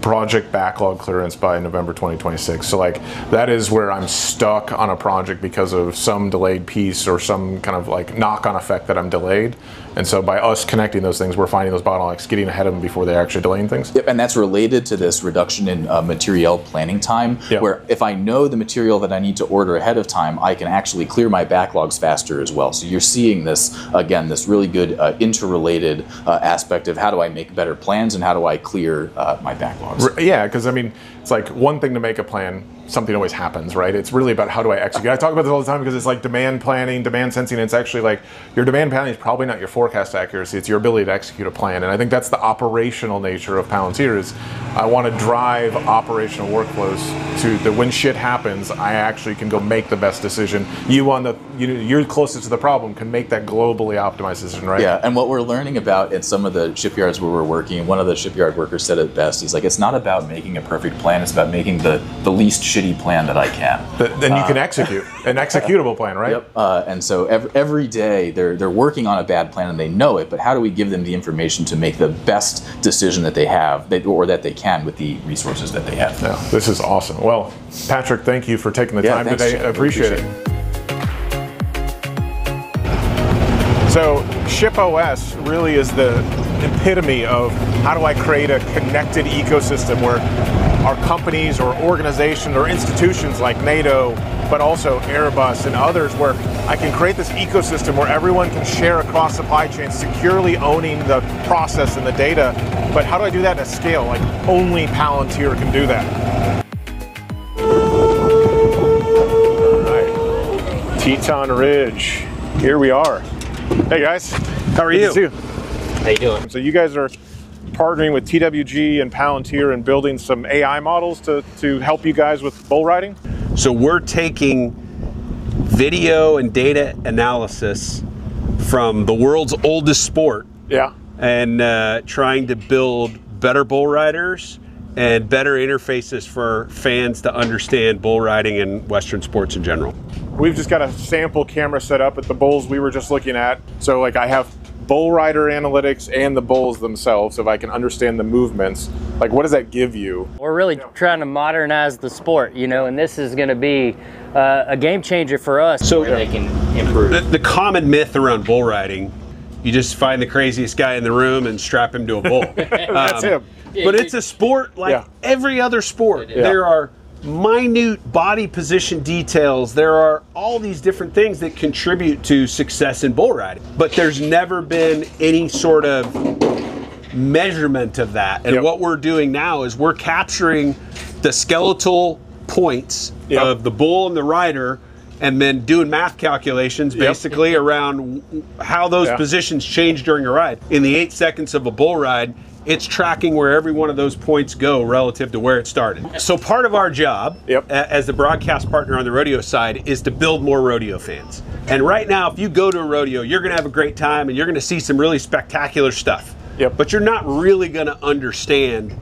Speaker 7: project backlog clearance by November 2026. Like, that is where I'm stuck on a project because of some delayed piece or some kind of, like, knock-on effect that I'm delayed. By us connecting those things, we're finding those bottlenecks, getting ahead of them before they actually delaying things.
Speaker 8: Yep, that's related to this reduction in material planning time.
Speaker 7: Yeah.
Speaker 8: Where if I know the material that I need to order ahead of time, I can actually clear my backlogs faster as well. You're seeing this, again, this really good, interrelated, aspect of how do I make better plans and how do I clear my backlogs.
Speaker 7: Yeah, 'cause I mean, it's like one thing to make a plan. Something always happens, right? It's really about how do I execute.
Speaker 8: Yeah.
Speaker 7: I talk about this all the time because it's like demand planning, demand sensing, and it's actually, like, your demand planning is probably not your forecast accuracy, it's your ability to execute a plan, and I think that's the operational nature of Palantir. I wanna drive operational workflows to that when shit happens, I actually can go make the best decision. You, you're closest to the problem, can make that globally optimized decision, right?
Speaker 8: Yeah. What we're learning about at some of the shipyards where we're working, one of the shipyard workers said it best, is like, "It's not about making a perfect plan, it's about making the least shitty plan that I can.
Speaker 7: You can execute. An executable plan, right?
Speaker 8: Yep. Every day, they're working on a bad plan, and they know it, but how do we give them the information to make the best decision that they have or that they can with the resources that they have?
Speaker 7: Yeah. This is awesome. Well, Patrick, thank you for taking the time today.
Speaker 8: Yeah, thanks.
Speaker 7: Appreciate it. ShipOS really is the epitome of how do I create a connected ecosystem where our companies or organizations or institutions like NATO, but also Airbus and others, where I can create this ecosystem where everyone can share across supply chains, securely owning the process and the data. How do I do that at scale? Like, only Palantir can do that. All right. Teton Ridge. Here we are. Hey, guys. How are you?
Speaker 9: Good to see you. How you doing?
Speaker 7: You guys are partnering with TWG and Palantir and building some AI models to help you guys with bull riding?
Speaker 9: We're taking video and data analysis from the world's oldest sport.
Speaker 7: Yeah
Speaker 9: Trying to build better bull riders and better interfaces for fans to understand bull riding and western sports in general.
Speaker 7: We've just got a sample camera set up at the bulls we were just looking at. Like, I have bull rider analytics and the bulls themselves, so if I can understand the movements. Like, what does that give you?
Speaker 10: We're really trying to modernize the sport, you know, and this is gonna be a game changer for us.
Speaker 9: They can improve. The common myth around bull riding, you just find the craziest guy in the room and strap him to a bull.
Speaker 7: That's him.
Speaker 9: It's a sport like every other sport.
Speaker 7: Yeah.
Speaker 9: There are minute body position details. There are all these different things that contribute to success in bull riding. There's never been any sort of measurement of that.
Speaker 7: Yeah.
Speaker 9: What we're doing now is we're capturing the skeletal points of the bull and the rider and then doing math calculations, basically around how those positions change during a ride. In the eight seconds of a bull ride, it's tracking where every one of those points go relative to where it started. Part of our job, as the broadcast partner on the rodeo side is to build more rodeo fans. Right now, if you go to a rodeo, you're gonna have a great time and you're gonna see some really spectacular stuff.
Speaker 7: Yep.
Speaker 9: You're not really gonna understand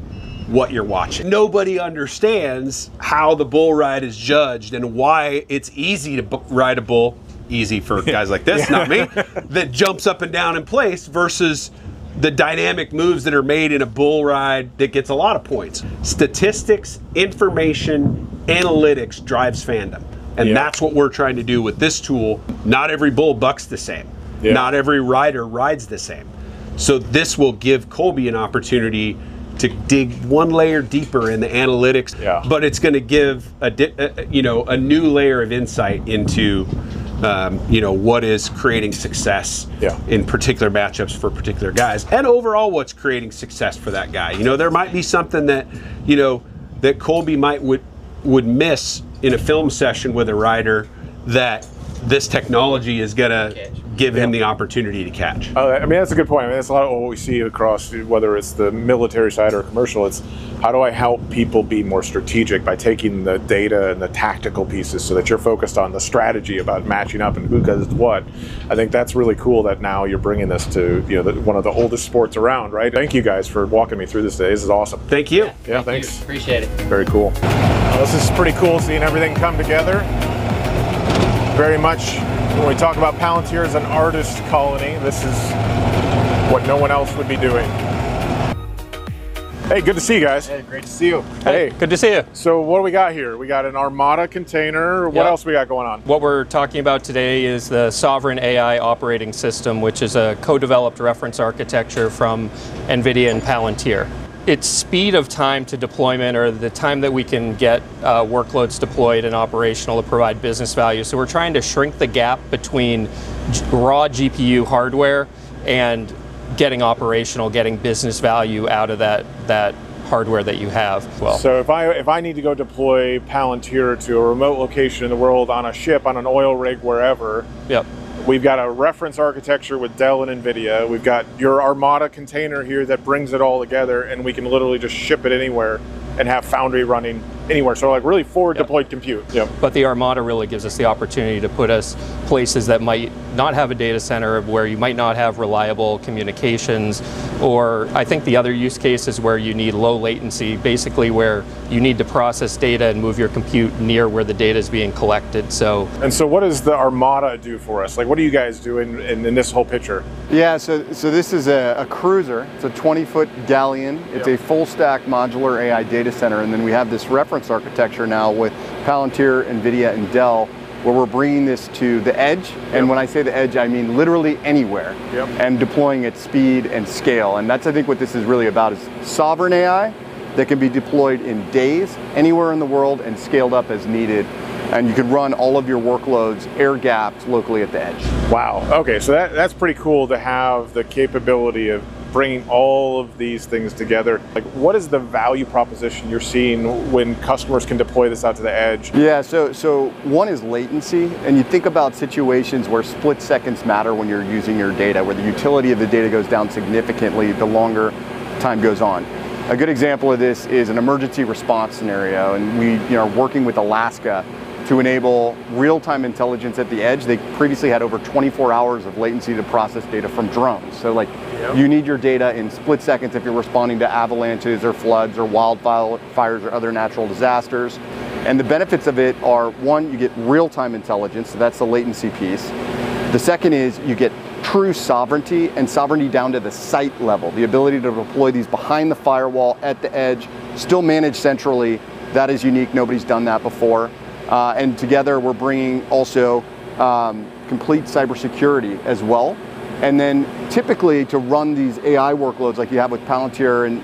Speaker 9: what you're watching. Nobody understands how the bull ride is judged and why it's easy to ride a bull, easy for guys like this, not me that jumps up and down in place versus the dynamic moves that are made in a bull ride that gets a lot of points. Statistics, information, analytics drives fandom.
Speaker 7: Yeah.
Speaker 9: That's what we're trying to do with this tool. Not every bull bucks the same.
Speaker 7: Yeah.
Speaker 9: Not every rider rides the same. This will give Colby an opportunity to dig one layer deeper in the analytics.
Speaker 7: Yeah.
Speaker 9: It's gonna give a new layer of insight into, you know, what is creating success, in particular match-ups for particular guys. Overall, what's creating success for that guy. You know, there might be something that, you know, that Colby might would miss in a film session with a rider that this technology is gonna.
Speaker 10: Catch
Speaker 9: Give him the opportunity to catch.
Speaker 7: Oh, I mean, that's a good point. I mean, that's a lot of what we see across, whether it's the military side or commercial, it's how do I help people be more strategic by taking the data and the tactical pieces so that you're focused on the strategy about matching up and who goes what. I think that's really cool that now you're bringing this to, you know, the, one of the oldest sports around, right? Thank you, guys, for walking me through this today. This is awesome.
Speaker 9: Thank you.
Speaker 10: Yeah.
Speaker 7: Yeah, thanks.
Speaker 10: Appreciate it.
Speaker 7: Very cool. This is pretty cool seeing everything come together. Very much when we talk about Palantir as an artist colony, this is what no one else would be doing. Hey, good to see you guys.
Speaker 11: Hey, great to see you.
Speaker 7: Hey.
Speaker 12: Good to see you.
Speaker 7: What do we got here? We got an Armada container.
Speaker 12: Yeah.
Speaker 7: What else we got going on?
Speaker 12: What we're talking about today is the Sovereign AI operating system, which is a co-developed reference architecture from NVIDIA and Palantir. It's speed of time to deployment or the time that we can get workloads deployed and operational to provide business value. We're trying to shrink the gap between raw GPU hardware and getting operational, getting business value out of that hardware that you have.
Speaker 7: If I need to go deploy Palantir to a remote location in the world on a ship, on an oil rig, wherever.
Speaker 12: Yep
Speaker 7: We've got a reference architecture with Dell and NVIDIA. We've got your Armada container here that brings it all together, and we can literally just ship it anywhere and have Foundry running anywhere. Like really forward deployed compute.
Speaker 12: Yep. The Armada really gives us the opportunity to put us places that might not have a data center, where you might not have reliable communications, or I think the other use case is where you need low latency, basically where you need to process data and move your compute near where the data's being collected, so.
Speaker 7: What does the Armada do for us? Like, what are you guys doing in this whole picture?
Speaker 11: This is a cruiser. It's a 20-foot Dalean.
Speaker 7: Yeah.
Speaker 11: It's a full stack modular AI data center, and then we have this reference architecture now with Palantir, NVIDIA, and Dell, where we're bringing this to the edge.
Speaker 7: Yeah.
Speaker 11: When I say the edge, I mean literally anywhere.
Speaker 7: Yep.
Speaker 11: Deploying at speed and scale. That's, I think, what this is really about, is Sovereign AI that can be deployed in days anywhere in the world and scaled up as needed. You can run all of your workloads air-gapped locally at the edge.
Speaker 7: Wow. Okay, so that's pretty cool to have the capability of bringing all of these things together. Like, what is the value proposition you're seeing when customers can deploy this out to the edge?
Speaker 11: One is latency, and you think about situations where split seconds matter when you're using your data, where the utility of the data goes down significantly the longer time goes on. A good example of this is an emergency response scenario, and we, you know, are working with Alaska to enable real-time intelligence at the edge. They previously had over 24 hours of latency to process data from drones.
Speaker 7: Yep
Speaker 11: You need your data in split seconds if you're responding to avalanches or floods or wildfire fires or other natural disasters. The benefits of it are, one, you get real-time intelligence, so that's the latency piece. The second is you get true sovereignty and sovereignty down to the site level, the ability to deploy these behind the firewall at the edge, still managed centrally. That is unique. Nobody's done that before. Together we're bringing also complete cybersecurity as well. Typically to run these AI workloads like you have with Palantir and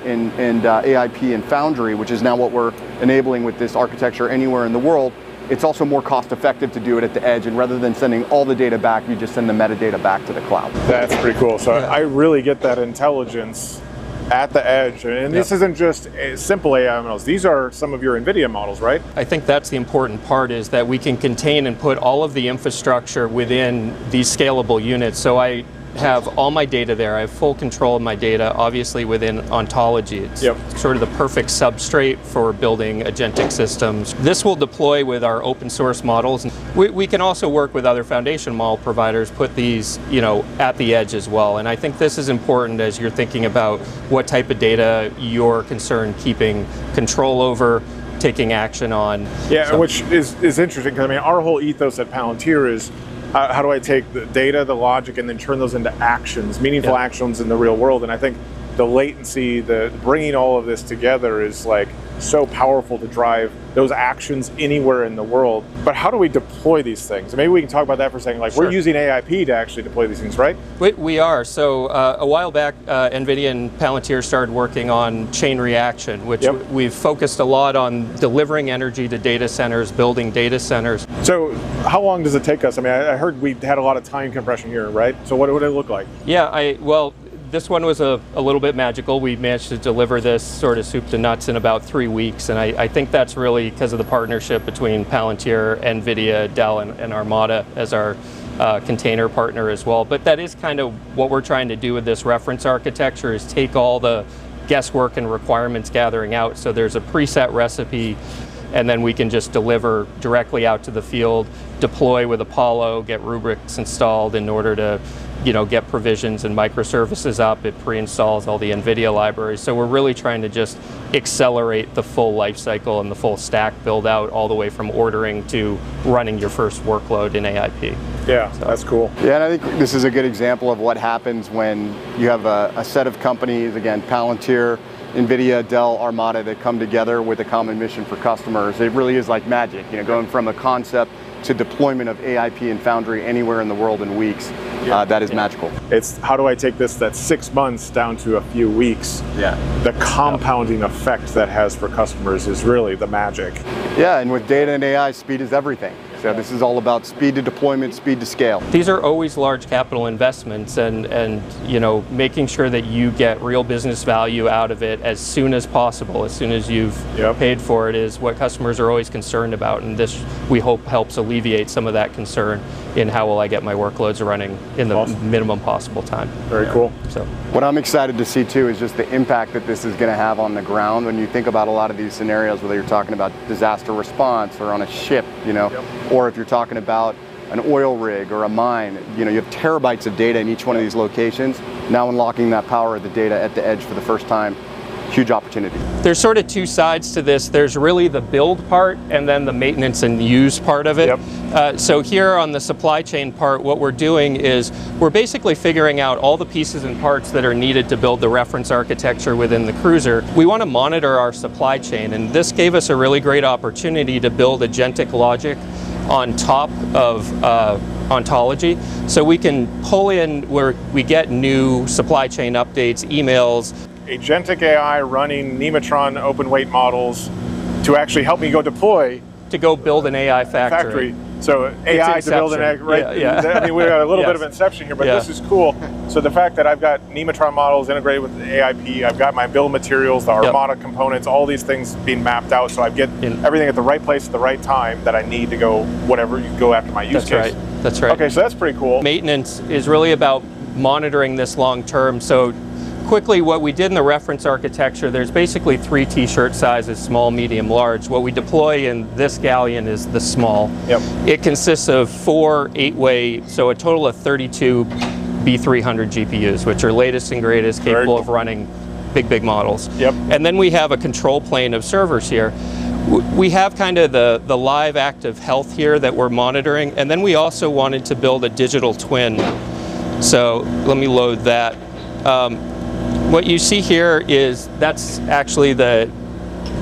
Speaker 11: AIP and Foundry, which is now what we're enabling with this architecture anywhere in the world, it's also more cost-effective to do it at the edge. Rather than sending all the data back, you just send the metadata back to the cloud.
Speaker 7: That's pretty cool.
Speaker 11: Yeah.
Speaker 7: I really get that intelligence at the edge.
Speaker 12: Yeah.
Speaker 7: This isn't just simple AI models. These are some of your NVIDIA models, right?
Speaker 12: I think that's the important part, is that we can contain and put all of the infrastructure within these scalable units. I have all my data there. I have full control of my data, obviously within Ontology.
Speaker 7: Yep.
Speaker 12: It's sort of the perfect substrate for building agentic systems. This will deploy with our open source models, and we can also work with other foundation model providers, put these, you know, at the edge as well, and I think this is important as you're thinking about what type of data you're concerned keeping control over, taking action on.
Speaker 7: Yeah, which is interesting, 'cause I mean, our whole ethos at Palantir is how do I take the data, the logic, and then turn those into actions.
Speaker 12: Yeah
Speaker 7: Meaningful actions in the real world, and I think the latency, the bringing all of this together is, like, so powerful to drive those actions anywhere in the world. How do we deploy these things? Maybe we can talk about that for a second.
Speaker 12: Sure.
Speaker 7: Like, we're using AIP to actually deploy these things, right?
Speaker 12: A while back, NVIDIA and Palantir started working on Chain Reaction.
Speaker 7: Yep
Speaker 12: We've focused a lot on delivering energy to data centers, building data centers.
Speaker 7: How long does it take us? I mean, I heard we've had a lot of time compression here, right? What would it look like?
Speaker 12: Well, this one was a little bit magical. We've managed to deliver this sort of soup to nuts in about three weeks, and I think that's really 'cause of the partnership between Palantir, NVIDIA, Dell, and Armada as our container partner as well. That is kind of what we're trying to do with this reference architecture, is take all the guesswork and requirements gathering out so there's a preset recipe, and then we can just deliver directly out to the field, deploy with Apollo, get Rubix installed in order to, you know, get provisions and microservices up. It pre-installs all the NVIDIA libraries. We're really trying to just accelerate the full life cycle and the full stack build-out, all the way from ordering to running your first workload in AIP.
Speaker 7: Yeah. That's cool.
Speaker 11: Yeah, I think this is a good example of what happens when you have a set of companies, again, Palantir, NVIDIA, Dell, Armada, that come together with a common mission for customers. It really is like magic, you know, going from a concept to deployment of AIP and Foundry anywhere in the world in weeks.
Speaker 12: Yeah.
Speaker 11: That is magical.
Speaker 7: It's how do I take this that's six months down to a few weeks?
Speaker 11: Yeah.
Speaker 7: The compounding effect that has for customers is really the magic.
Speaker 11: Yeah, with data and AI, speed is everything.
Speaker 7: Yeah.
Speaker 11: This is all about speed to deployment, speed to scale.
Speaker 12: These are always large capital investments and, you know, making sure that you get real business value out of it as soon as possible.
Speaker 7: Yeah
Speaker 12: As soon as you’ve paid for it is what customers are always concerned about, and this, we hope, helps alleviate some of that concern in how will I get my workloads running in the minimum possible time.
Speaker 7: Very cool.
Speaker 11: Yeah. What I'm excited to see, too, is just the impact that this is gonna have on the ground when you think about a lot of these scenarios, whether you're talking about disaster response or on a ship, you know.
Speaker 7: Yep
Speaker 11: If you're talking about an oil rig or a mine. You know, you have terabytes of data in each one of these locations. Now unlocking that power of the data at the edge for the first time, huge opportunity.
Speaker 12: There's sort of two sides to this. There's really the build part and then the maintenance and use part of it.
Speaker 7: Yep.
Speaker 12: Here on the supply chain part, what we're doing is we're basically figuring out all the pieces and parts that are needed to build the reference architecture within the Cruiser. We wanna monitor our supply chain, and this gave us a really great opportunity to build agentic logic on top of Ontology. We can pull in where we get new supply chain updates, emails.
Speaker 7: Agentic AI running Nemotron open weight models to actually help me go deploy.
Speaker 12: To go build an AI factory.
Speaker 7: Factory.
Speaker 12: Its inception.
Speaker 7: Right.
Speaker 12: Yeah. Yeah.
Speaker 7: I mean, we're a little bit of inception here.
Speaker 12: Yeah
Speaker 7: This is cool. The fact that I've got Nemotron models integrated with the AIP, I've got my build materials, the Armada components, all these things being mapped out so I get. Everything at the right place at the right time that I need to go whatever, go after my use case.
Speaker 12: That's right.
Speaker 7: Okay, that's pretty cool.
Speaker 12: Maintenance is really about monitoring this long term. Quickly, what we did in the reference architecture, there's basically three T-shirt sizes, small, medium, large. What we deploy in this Galleon is the small.
Speaker 7: Yep.
Speaker 12: It consists of four 8-way, so a total of 32 B200 GPUs, which are latest and greatest.
Speaker 7: Very cool.
Speaker 12: Capable of running big, big models.
Speaker 7: Yep.
Speaker 12: We have a control plane of servers here. We have kind of the live, active health here that we're monitoring, and then we also wanted to build a digital twin. Let me load that. What you see here is that's actually the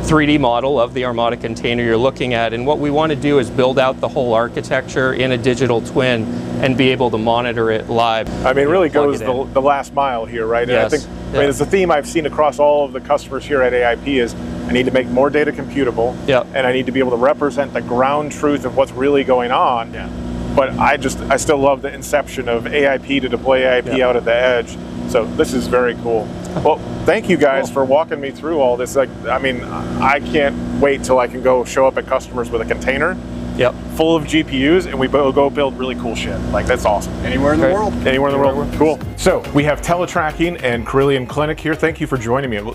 Speaker 12: 3D model of the Armada container you're looking at, and what we wanna do is build out the whole architecture in a digital twin and be able to monitor it live.
Speaker 7: I mean, it really goes the last mile here, right?
Speaker 12: Yes.
Speaker 7: I think, I mean, it's a theme I've seen across all of the customers here at AIP, is I need to make more data computable.
Speaker 12: Yeah
Speaker 7: I need to be able to represent the ground truth of what's really going on.
Speaker 12: Yeah.
Speaker 7: I just, I still love the inception of AIP to deploy AIP out of the edge.
Speaker 12: Yeah.
Speaker 7: This is very cool. Well, thank you guys.
Speaker 12: It's cool.
Speaker 7: For walking me through all this. Like, I mean, I can't wait till I can go show up at customers with a container full of GPUs, and we go build really cool shit.
Speaker 12: Yeah.
Speaker 7: Like, that's awesome.
Speaker 11: Anywhere in the world.
Speaker 7: Anywhere in the world.
Speaker 11: Anywhere in the world.
Speaker 7: Cool. We have TeleTracking and Carilion Clinic here. Thank you for joining me.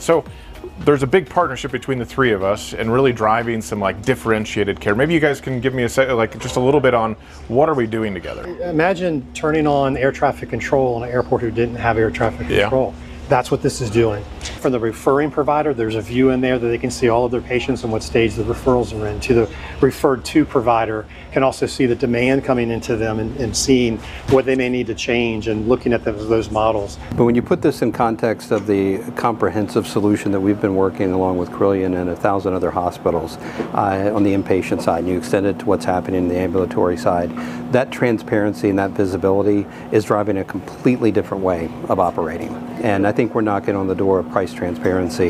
Speaker 7: There's a big partnership between the three of us in really driving some, like, differentiated care. Maybe you guys can give me like, just a little bit on what are we doing together?
Speaker 13: Imagine turning on air traffic control in an airport who didn't have air traffic control.
Speaker 7: Yeah.
Speaker 13: That's what this is doing. For the referring provider, there's a view in there that they can see all of their patients and what stage the referrals are in, and the referred-to provider can also see the demand coming into them and seeing what they may need to change and looking at those models. When you put this in context of the comprehensive solution that we've been working, along with Carilion and 1,000 other hospitals, on the inpatient side, and you extend it to what's happening in the ambulatory side, that transparency and that visibility is driving a completely different way of operating, and I think we're knocking on the door of price transparency,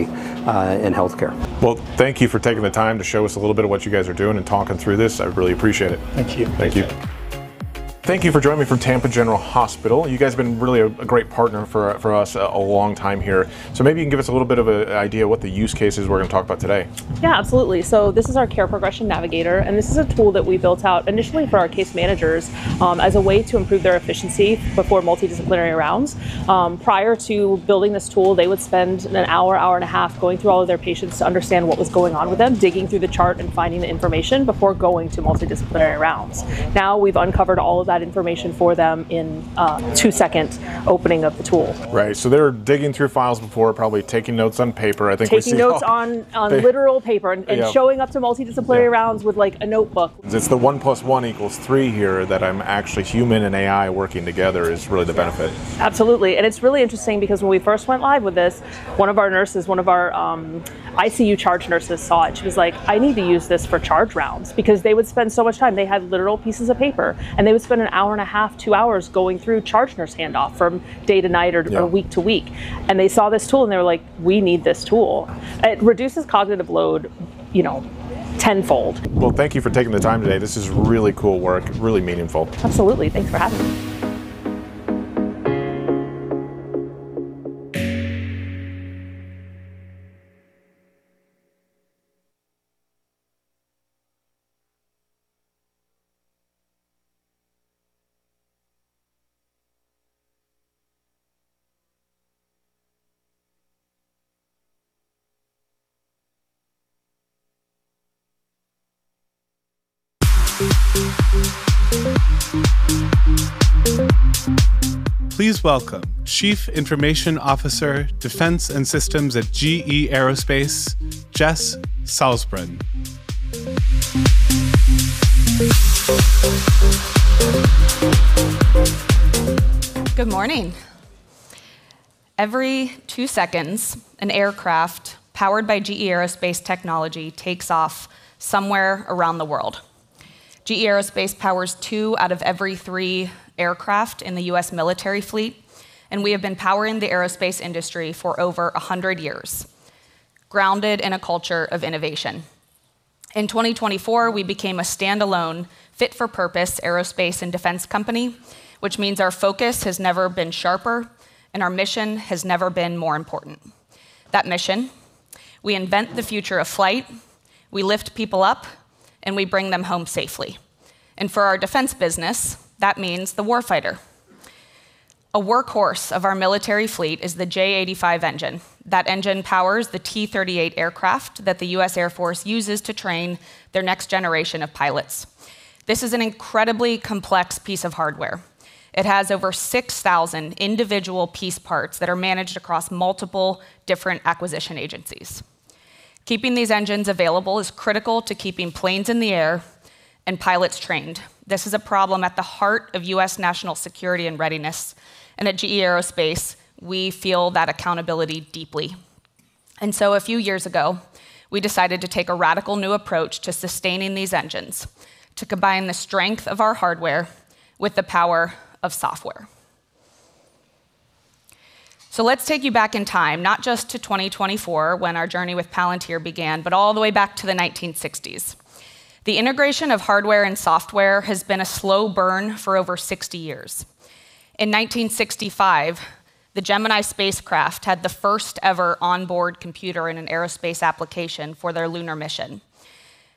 Speaker 13: in healthcare.
Speaker 7: Well, thank you for taking the time to show us a little bit of what you guys are doing and talking through this. I really appreciate it.
Speaker 13: Thank you.
Speaker 14: Thank you.
Speaker 7: Thank you for joining me from Tampa General Hospital. You guys have been really a great partner for us a long time here. Maybe you can give us a little bit of a idea what the use cases we're gonna talk about today.
Speaker 15: Yeah, absolutely. This is our care progression navigator, and this is a tool that we built out initially for our case managers as a way to improve their efficiency before multidisciplinary rounds. Prior to building this tool, they would spend an hour and a half going through all of their patients to understand what was going on with them, digging through the chart and finding the information before going to multidisciplinary rounds. Now we've uncovered all of that information for them in two seconds opening up the tool.
Speaker 7: Right. They're digging through files before, probably taking notes on paper. I think we've seen.
Speaker 15: Taking notes on literal paper, showing up to multidisciplinary rounds with like a notebook.
Speaker 7: It's the 1 + 1 equals 3 here that I'm actually human and AI working together is really the benefit.
Speaker 15: Absolutely. It's really interesting because when we first went live with this, one of our ICU charge nurses saw it. She was like, "I need to use this for charge rounds." Because they would spend so much time. They had literal pieces of paper, and they would spend an hour and a half, two hours going through charge nurse handoff from day to night or week to week. They saw this tool, and they were like, "We need this tool." It reduces cognitive load, you know, tenfold.
Speaker 7: Well, thank you for taking the time today. This is really cool work, really meaningful.
Speaker 15: Absolutely. Thanks for having me.
Speaker 1: Please welcome Chief Information Officer, Defense & Systems at GE Aerospace, Jess Salzbrun.
Speaker 16: Good morning. Every two seconds, an aircraft powered by GE Aerospace technology takes off somewhere around the world. GE Aerospace powers two out of every three aircraft in the U.S. military fleet, and we have been powering the aerospace industry for over 100 years, grounded in a culture of innovation. In 2024, we became a standalone fit for purpose aerospace and defense company, which means our focus has never been sharper and our mission has never been more important. That mission. We invent the future of flight, we lift people up, and we bring them home safely. For our defense business, that means the war fighter. A workhorse of our military fleet is the J85 engine. That engine powers the T-38 aircraft that the U.S. Air Force uses to train their next generation of pilots. This is an incredibly complex piece of hardware. It has over 6,000 individual piece parts that are managed across multiple different acquisition agencies. Keeping these engines available is critical to keeping planes in the air and pilots trained. This is a problem at the heart of U.S. national security and readiness, and at GE Aerospace, we feel that accountability deeply. A few years ago, we decided to take a radical new approach to sustaining these engines, to combine the strength of our hardware with the power of software. Let's take you back in time, not just to 2024 when our journey with Palantir began, but all the way back to the 1960s. The integration of hardware and software has been a slow burn for over 60 years. In 1965, the Gemini spacecraft had the first ever onboard computer in an aerospace application for their lunar mission.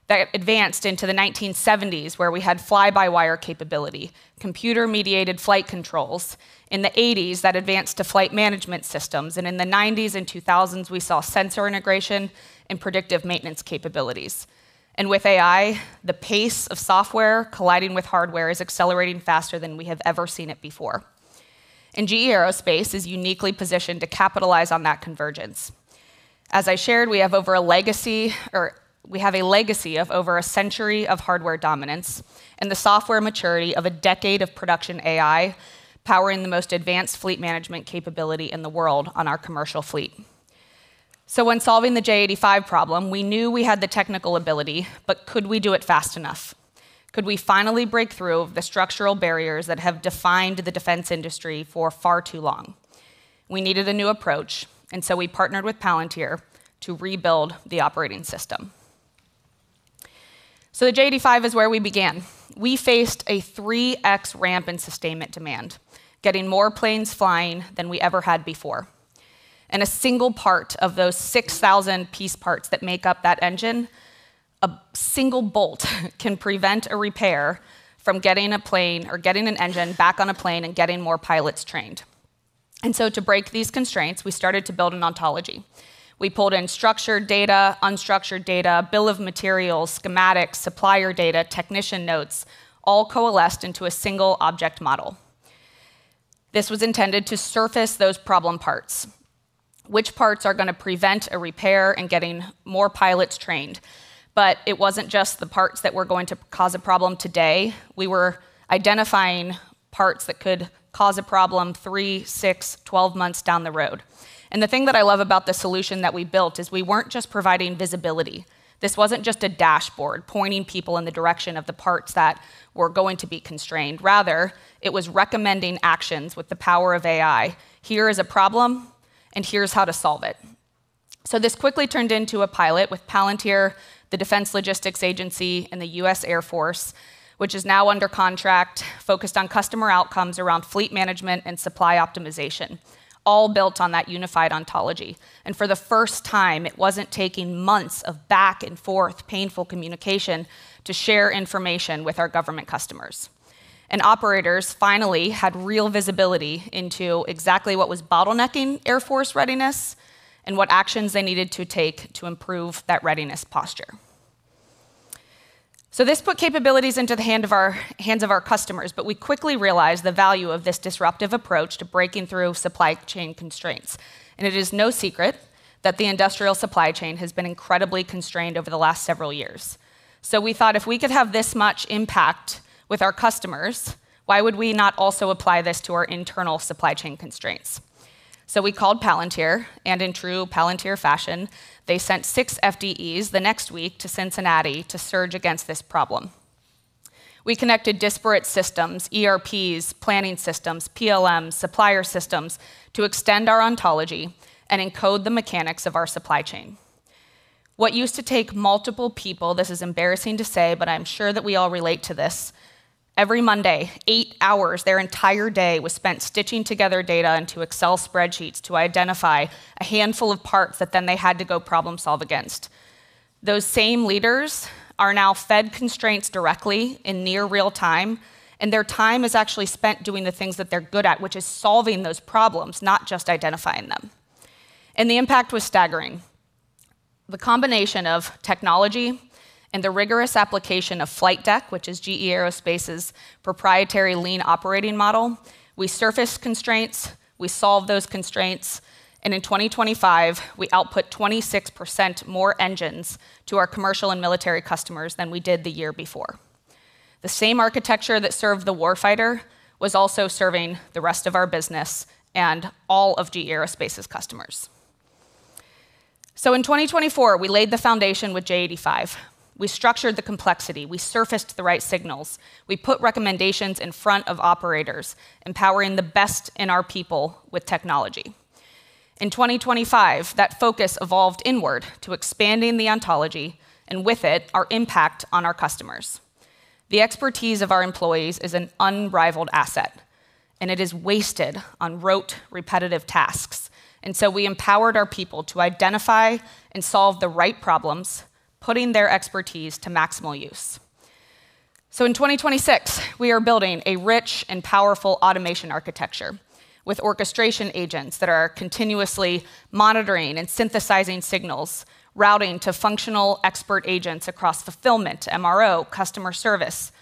Speaker 16: That advanced into the 1970s, where we had fly-by-wire capability, computer-mediated flight controls. In the 1980s, that advanced to flight management systems. In the 1990s and 2000s, we saw sensor integration and predictive maintenance capabilities. With AI, the pace of software colliding with hardware is accelerating faster than we have ever seen it before. GE Aerospace is uniquely positioned to capitalize on that convergence. As I shared, we have a legacy of over a century of hardware dominance and the software maturity of a decade of production AI powering the most advanced fleet management capability in the world on our commercial fleet. When solving the J85 problem, we knew we had the technical ability, but could we do it fast enough? Could we finally break through the structural barriers that have defined the defense industry for far too long? We needed a new approach, and so we partnered with Palantir to rebuild the operating system. The J85 is where we began. We faced a 3x ramp in sustainment demand, getting more planes flying than we ever had before. A single part of those 6,000 piece parts that make up that engine, a single bolt can prevent a repair from getting a plane or getting an engine back on a plane and getting more pilots trained. To break these constraints, we started to build an Ontology. We pulled in structured data, unstructured data, bill of materials, schematics, supplier data, technician notes, all coalesced into a single object model. This was intended to surface those problem parts, which parts are gonna prevent a repair and getting more pilots trained. It wasn't just the parts that were going to cause a problem today. We were identifying parts that could cause a problem three, six, 12 months down the road. The thing that I love about the solution that we built is we weren't just providing visibility. This wasn't just a dashboard pointing people in the direction of the parts that were going to be constrained. Rather, it was recommending actions with the power of AI. Here is a problem, and here's how to solve it. This quickly turned into a pilot with Palantir, the Defense Logistics Agency, and the U.S. Air Force, which is now under contract focused on customer outcomes around fleet management and supply optimization, all built on that unified Ontology. For the first time, it wasn't taking months of back and forth painful communication to share information with our government customers. Operators finally had real visibility into exactly what was bottlenecking Air Force readiness and what actions they needed to take to improve that readiness posture. This put capabilities into the hands of our customers, but we quickly realized the value of this disruptive approach to breaking through supply chain constraints. It is no secret that the industrial supply chain has been incredibly constrained over the last several years. We thought if we could have this much impact with our customers, why would we not also apply this to our internal supply chain constraints? We called Palantir, and in true Palantir fashion, they sent six FDEs the next week to Cincinnati to surge against this problem. We connected disparate systems, ERPs, planning systems, PLMs, supplier systems to extend our Ontology and encode the mechanics of our supply chain. What used to take multiple people, this is embarrassing to say, but I'm sure that we all relate to this, every Monday, eight hours, their entire day was spent stitching together data into Excel spreadsheets to identify a handful of parts that then they had to go problem solve against. Those same leaders are now fed constraints directly in near real time, and their time is actually spent doing the things that they're good at, which is solving those problems, not just identifying them. The impact was staggering. The combination of technology and the rigorous application of FLIGHT DECK, which is GE Aerospace's proprietary lean operating model, we surfaced constraints, we solved those constraints, and in 2025, we output 26% more engines to our commercial and military customers than we did the year before. The same architecture that served the warfighter was also serving the rest of our business and all of GE Aerospace's customers. In 2024, we laid the foundation with J85. We structured the complexity. We surfaced the right signals. We put recommendations in front of operators, empowering the best in our people with technology. In 2025, that focus evolved inward to expanding the Ontology, and with it, our impact on our customers. The expertise of our employees is an unrivaled asset, and it is wasted on rote, repetitive tasks. We empowered our people to identify and solve the right problems, putting their expertise to maximal use. In 2026, we are building a rich and powerful automation architecture with orchestration agents that are continuously monitoring and synthesizing signals, routing to functional expert agents across fulfillment, MRO, customer service,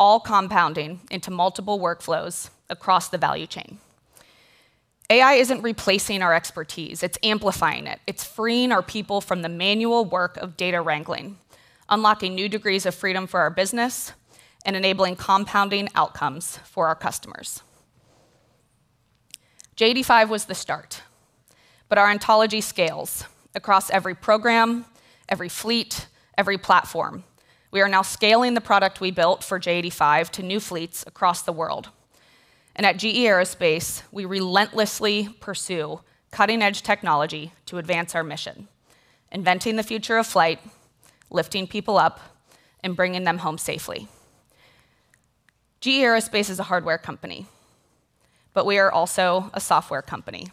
Speaker 16: all compounding into multiple workflows across the value chain. AI isn't replacing our expertise, it's amplifying it. It's freeing our people from the manual work of data wrangling, unlocking new degrees of freedom for our business, and enabling compounding outcomes for our customers. J85 was the start, but our Ontology scales across every program, every fleet, every platform. We are now scaling the product we built for J85 to new fleets across the world. At GE Aerospace, we relentlessly pursue cutting-edge technology to advance our mission, inventing the future of flight, lifting people up, and bringing them home safely. GE Aerospace is a hardware company, but we are also a software company,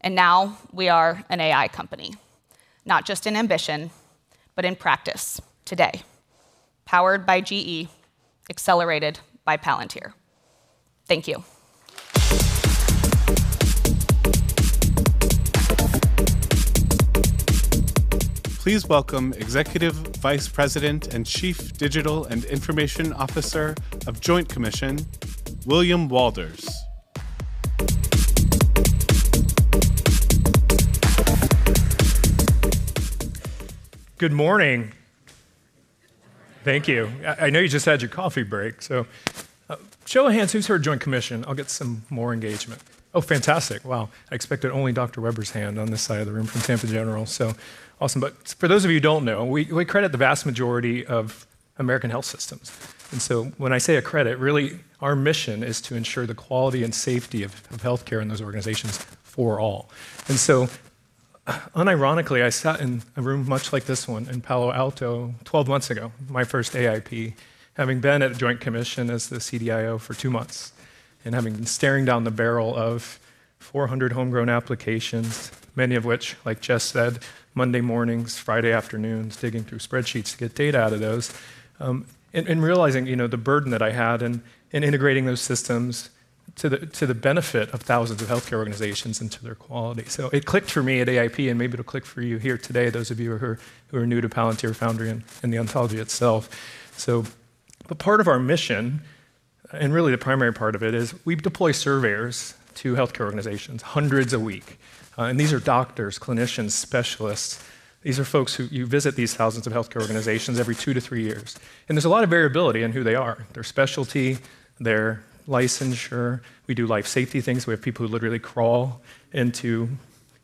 Speaker 16: and now we are an AI company, not just in ambition, but in practice today, powered by GE, accelerated by Palantir. Thank you.
Speaker 1: Please welcome Executive Vice President and Chief Digital and Information Officer of The Joint Commission, William Walders.
Speaker 17: Good morning. Thank you. I know you just had your coffee break, so show of hands, who's heard Joint Commission? I'll get some more engagement. Oh, fantastic. Wow. I expected only Dr. Weber's hand on this side of the room from Tampa General, so awesome. For those of you who don't know, we accredit the vast majority of American health systems. When I say accredit, really our mission is to ensure the quality and safety of healthcare in those organizations for all. Unironically, I sat in a room much like this one in Palo Alto 12 months ago, my first AIP, having been at The Joint Commission as the CDIO for two months, and having been staring down the barrel of 400 homegrown applications. Many of which, like Jess said, Monday mornings, Friday afternoons, digging through spreadsheets to get data out of those, and realizing, you know, the burden that I had in integrating those systems to the benefit of thousands of healthcare organizations and to their quality. It clicked for me at AIP, and maybe it'll click for you here today, those of you who are new to Palantir Foundry and the Ontology itself. A part of our mission, and really the primary part of it, is we deploy surveyors to healthcare organizations, hundreds a week. These are doctors, clinicians, specialists. These are folks who visit these thousands of healthcare organizations every two to three years. There's a lot of variability in who they are, their specialty, their licensure. We do life safety things. We have people who literally crawl into,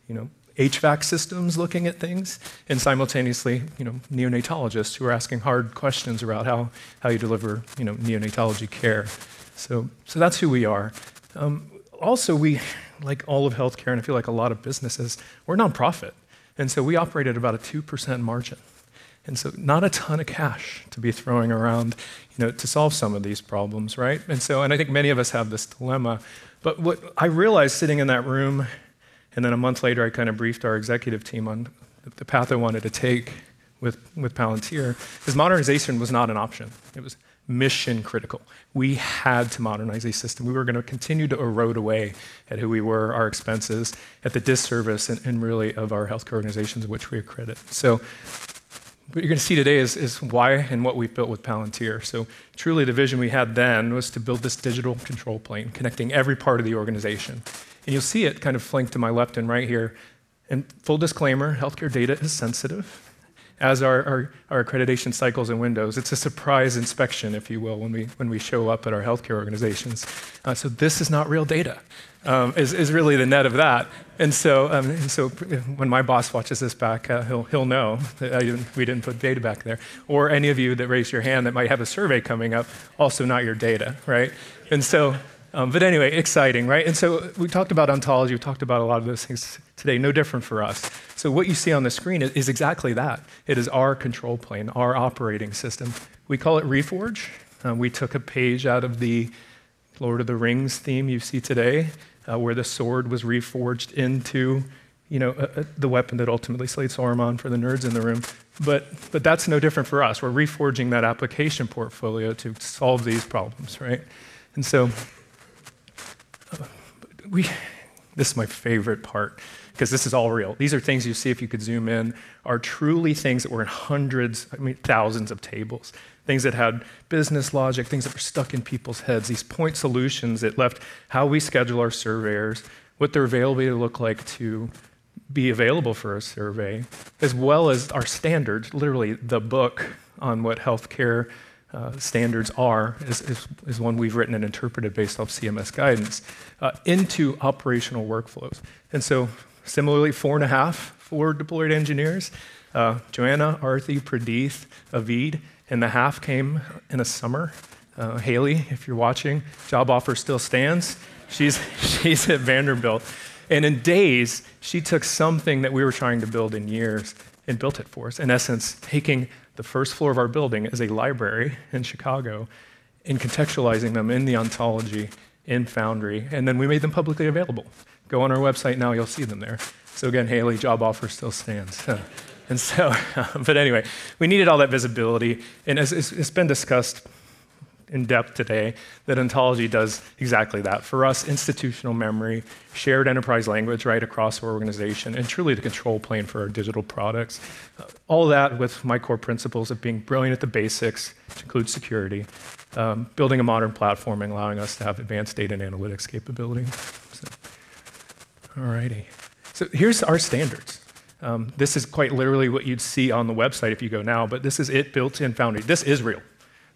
Speaker 17: you know, HVAC systems looking at things, and simultaneously, you know, neonatologists who are asking hard questions about how you deliver, you know, neonatology care. So that's who we are. Also we, like all of healthcare, and I feel like a lot of businesses, we're nonprofit, and so we operate at about a 2% margin. Not a ton of cash to be throwing around, you know, to solve some of these problems, right? I think many of us have this dilemma. What I realized sitting in that room, and then a month later I kind of briefed our executive team on the path I wanted to take with Palantir, is modernization was not an option. It was mission critical. We had to modernize a system. We were gonna continue to erode away at who we were, our expenses, at the disservice and really of our healthcare organizations of which we accredit. What you're gonna see today is why and what we've built with Palantir. Truly the vision we had then was to build this digital control plane, connecting every part of the organization. You'll see it kind of flanked to my left and right here. Full disclaimer, healthcare data is sensitive, as are our accreditation cycles and windows. It's a surprise inspection, if you will, when we show up at our healthcare organizations. This is not real data, is really the net of that. When my boss watches this back, he'll know that we didn't put data back there, or any of you that raised your hand that might have a survey coming up, also not your data, right? Anyway, exciting, right? We talked about Ontology. We've talked about a lot of those things today. No different for us. What you see on the screen is exactly that. It is our control plane, our operating system. We call it Reforge. We took a page out of The Lord of the Rings theme you see today, where the sword was reforged into, you know, the weapon that ultimately slays Sauron for the nerds in the room. But that's no different for us. We're reforging that application portfolio to solve these problems, right? This is my favorite part, 'cause this is all real. These are things you'd see if you could zoom in, are truly things that were in hundreds, I mean, thousands of tables. Things that had business logic, things that were stuck in people's heads. These point solutions that left how we schedule our surveyors, what their availability would look like to be available for a survey, as well as our standards. Literally, the book on what healthcare standards are is one we've written and interpreted based off CMS guidance into operational workflows. Similarly, 4.5 for deployed engineers, Joanna, Arthi, Pradeep, Avid, and the half came in a summer. Hailey, if you're watching, job offer still stands. She's at Vanderbilt. In days, she took something that we were trying to build in years and built it for us. In essence, taking the first floor of our building as a library in Chicago and contextualizing them in the Ontology in Foundry, and then we made them publicly available. Go on our website now, you'll see them there. Again, Hailey, job offer still stands. Anyway, we needed all that visibility. As it's been discussed in depth today, that Ontology does exactly that for us, institutional memory, shared enterprise language right across our organization, and truly the control plane for our digital products. All that with my core principles of being brilliant at the basics, which includes security, building a modern platform and allowing us to have advanced data and analytics capability. Alrighty. Here's our standards. This is quite literally what you'd see on the website if you go now, but this is it built in Foundry. This is real,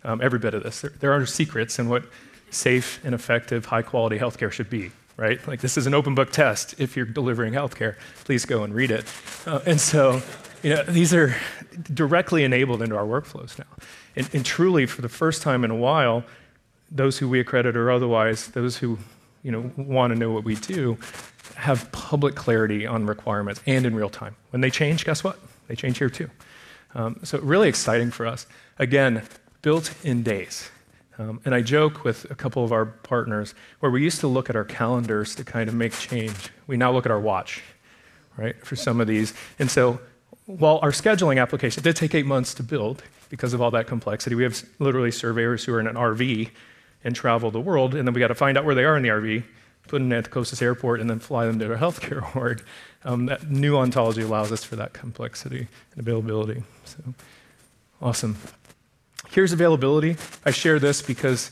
Speaker 17: every bit of this. There are no secrets in what safe and effective high-quality healthcare should be, right? Like, this is an open book test. If you're delivering healthcare, please go and read it. These are directly enabled into our workflows now. Truly, for the first time in a while, those who we accredit or otherwise, those who, you know, wanna know what we do, have public clarity on requirements and in real time. When they change, guess what? They change here too. So really exciting for us. Again, built in days. And I joke with a couple of our partners, where we used to look at our calendars to kind of make change, we now look at our watch, right, for some of these. And so while our scheduling application did take eight months to build because of all that complexity, we have literally surveyors who are in an RV and travel the world, and then we gotta find out where they are in the RV, put them at the closest airport, and then fly them to their healthcare org. That new Ontology allows us for that complexity and availability. Awesome. Here's availability. I share this because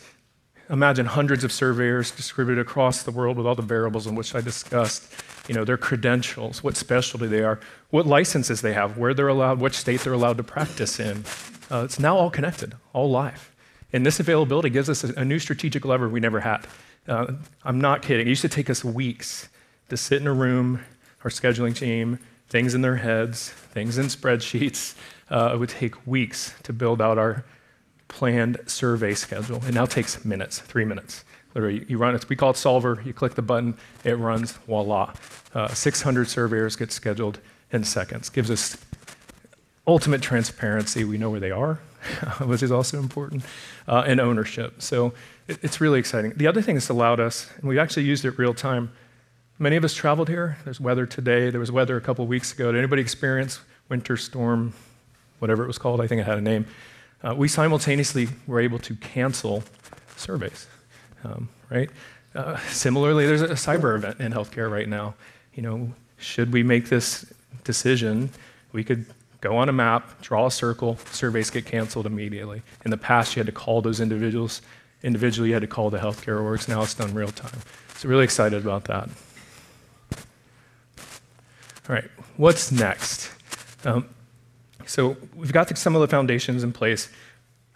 Speaker 17: imagine hundreds of surveyors distributed across the world with all the variables in which I discussed, you know, their credentials, what specialty they are, what licenses they have, where they're allowed, which states they're allowed to practice in. It's now all connected, all live. This availability gives us a new strategic lever we never had. I'm not kidding. It used to take us weeks to sit in a room, our scheduling team, things in their heads, things in spreadsheets. It would take weeks to build out our planned survey schedule. It now takes minutes, three minutes. Literally, you run it. We call it Solver. You click the button, it runs, voila. 600 surveyors get scheduled in seconds. Gives us ultimate transparency. We know where they are, which is also important, and ownership. It's really exciting. The other thing this allowed us, and we've actually used it real time, many of us traveled here. There's weather today. There was weather a couple weeks ago. Did anybody experience winter storm, whatever it was called? I think it had a name. We simultaneously were able to cancel surveys, right? Similarly, there's a cyber event in healthcare right now. You know, should we make this decision, we could go on a map, draw a circle, surveys get canceled immediately. In the past, you had to call those individuals individually. You had to call the healthcare orgs. Now it's done real time. Really excited about that. All right, what's next? We've got some of the foundations in place.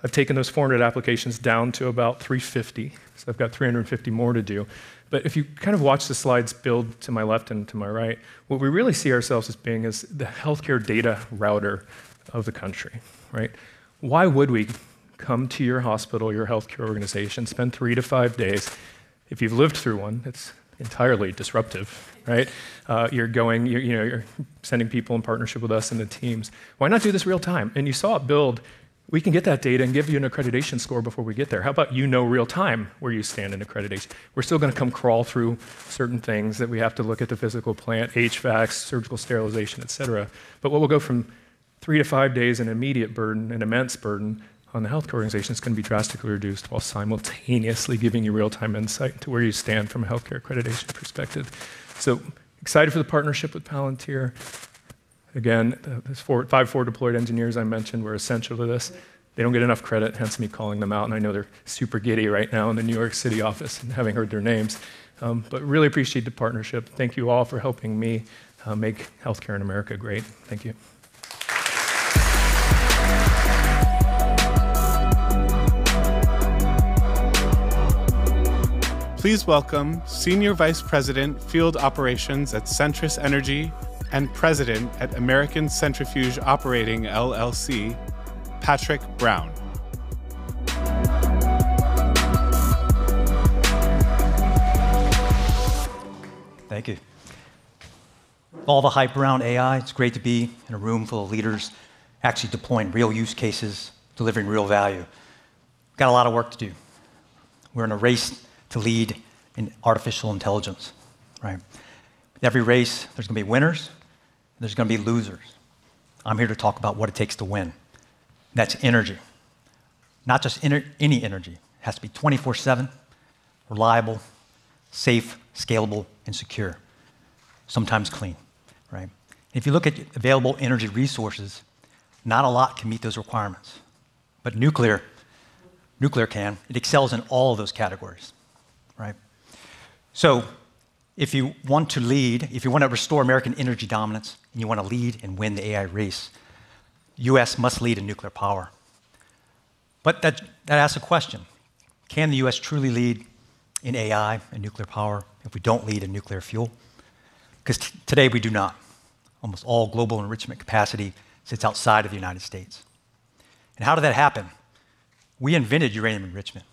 Speaker 17: I've taken those 400 applications down to about 350, so I've got 350 more to do. If you kind of watch the slides build to my left and to my right, what we really see ourselves as being is the healthcare data router of the country, right? Why would we come to your hospital, your healthcare organization, spend three to five days? If you've lived through one, it's entirely disruptive, right? You're, you know, you're sending people in partnership with us and the teams. Why not do this real-time? You saw it build. We can get that data and give you an accreditation score before we get there. How about you know real-time where you stand in accreditation? We're still gonna come crawl through certain things that we have to look at the physical plant, HVACs, surgical sterilization, et cetera. What will go from three to five days, an immediate burden, an immense burden on the healthcare organization, is gonna be drastically reduced while simultaneously giving you real-time insight into where you stand from a healthcare accreditation perspective. Excited for the partnership with Palantir. Again, those five forward deployed engineers I mentioned were essential to this. They don't get enough credit, hence me calling them out, and I know they're super giddy right now in the New York City office in having heard their names. Really appreciate the partnership. Thank you all for helping me make healthcare in America great. Thank you.
Speaker 1: Please welcome Senior Vice President, Field Operations at Centrus Energy and President at American Centrifuge Operating, LLC, Patrick Brown.
Speaker 18: Thank you. All the hype around AI, it's great to be in a room full of leaders actually deploying real use cases, delivering real value. Got a lot of work to do. We're in a race to lead in artificial intelligence, right? In every race, there's gonna be winners, and there's gonna be losers. I'm here to talk about what it takes to win. That's energy. Not just any energy. It has to be 24/7, reliable, safe, scalable, and secure. Sometimes clean, right? If you look at available energy resources, not a lot can meet those requirements. Nuclear can. It excels in all of those categories, right? If you want to lead, if you wanna restore American energy dominance, and you wanna lead and win the AI race, U.S. must lead in nuclear power. That asks a question. Can the U.S. truly lead in AI and nuclear power if we don't lead in nuclear fuel? 'Cause today we do not. Almost all global enrichment capacity sits outside of the United States. How did that happen? We invented uranium enrichment,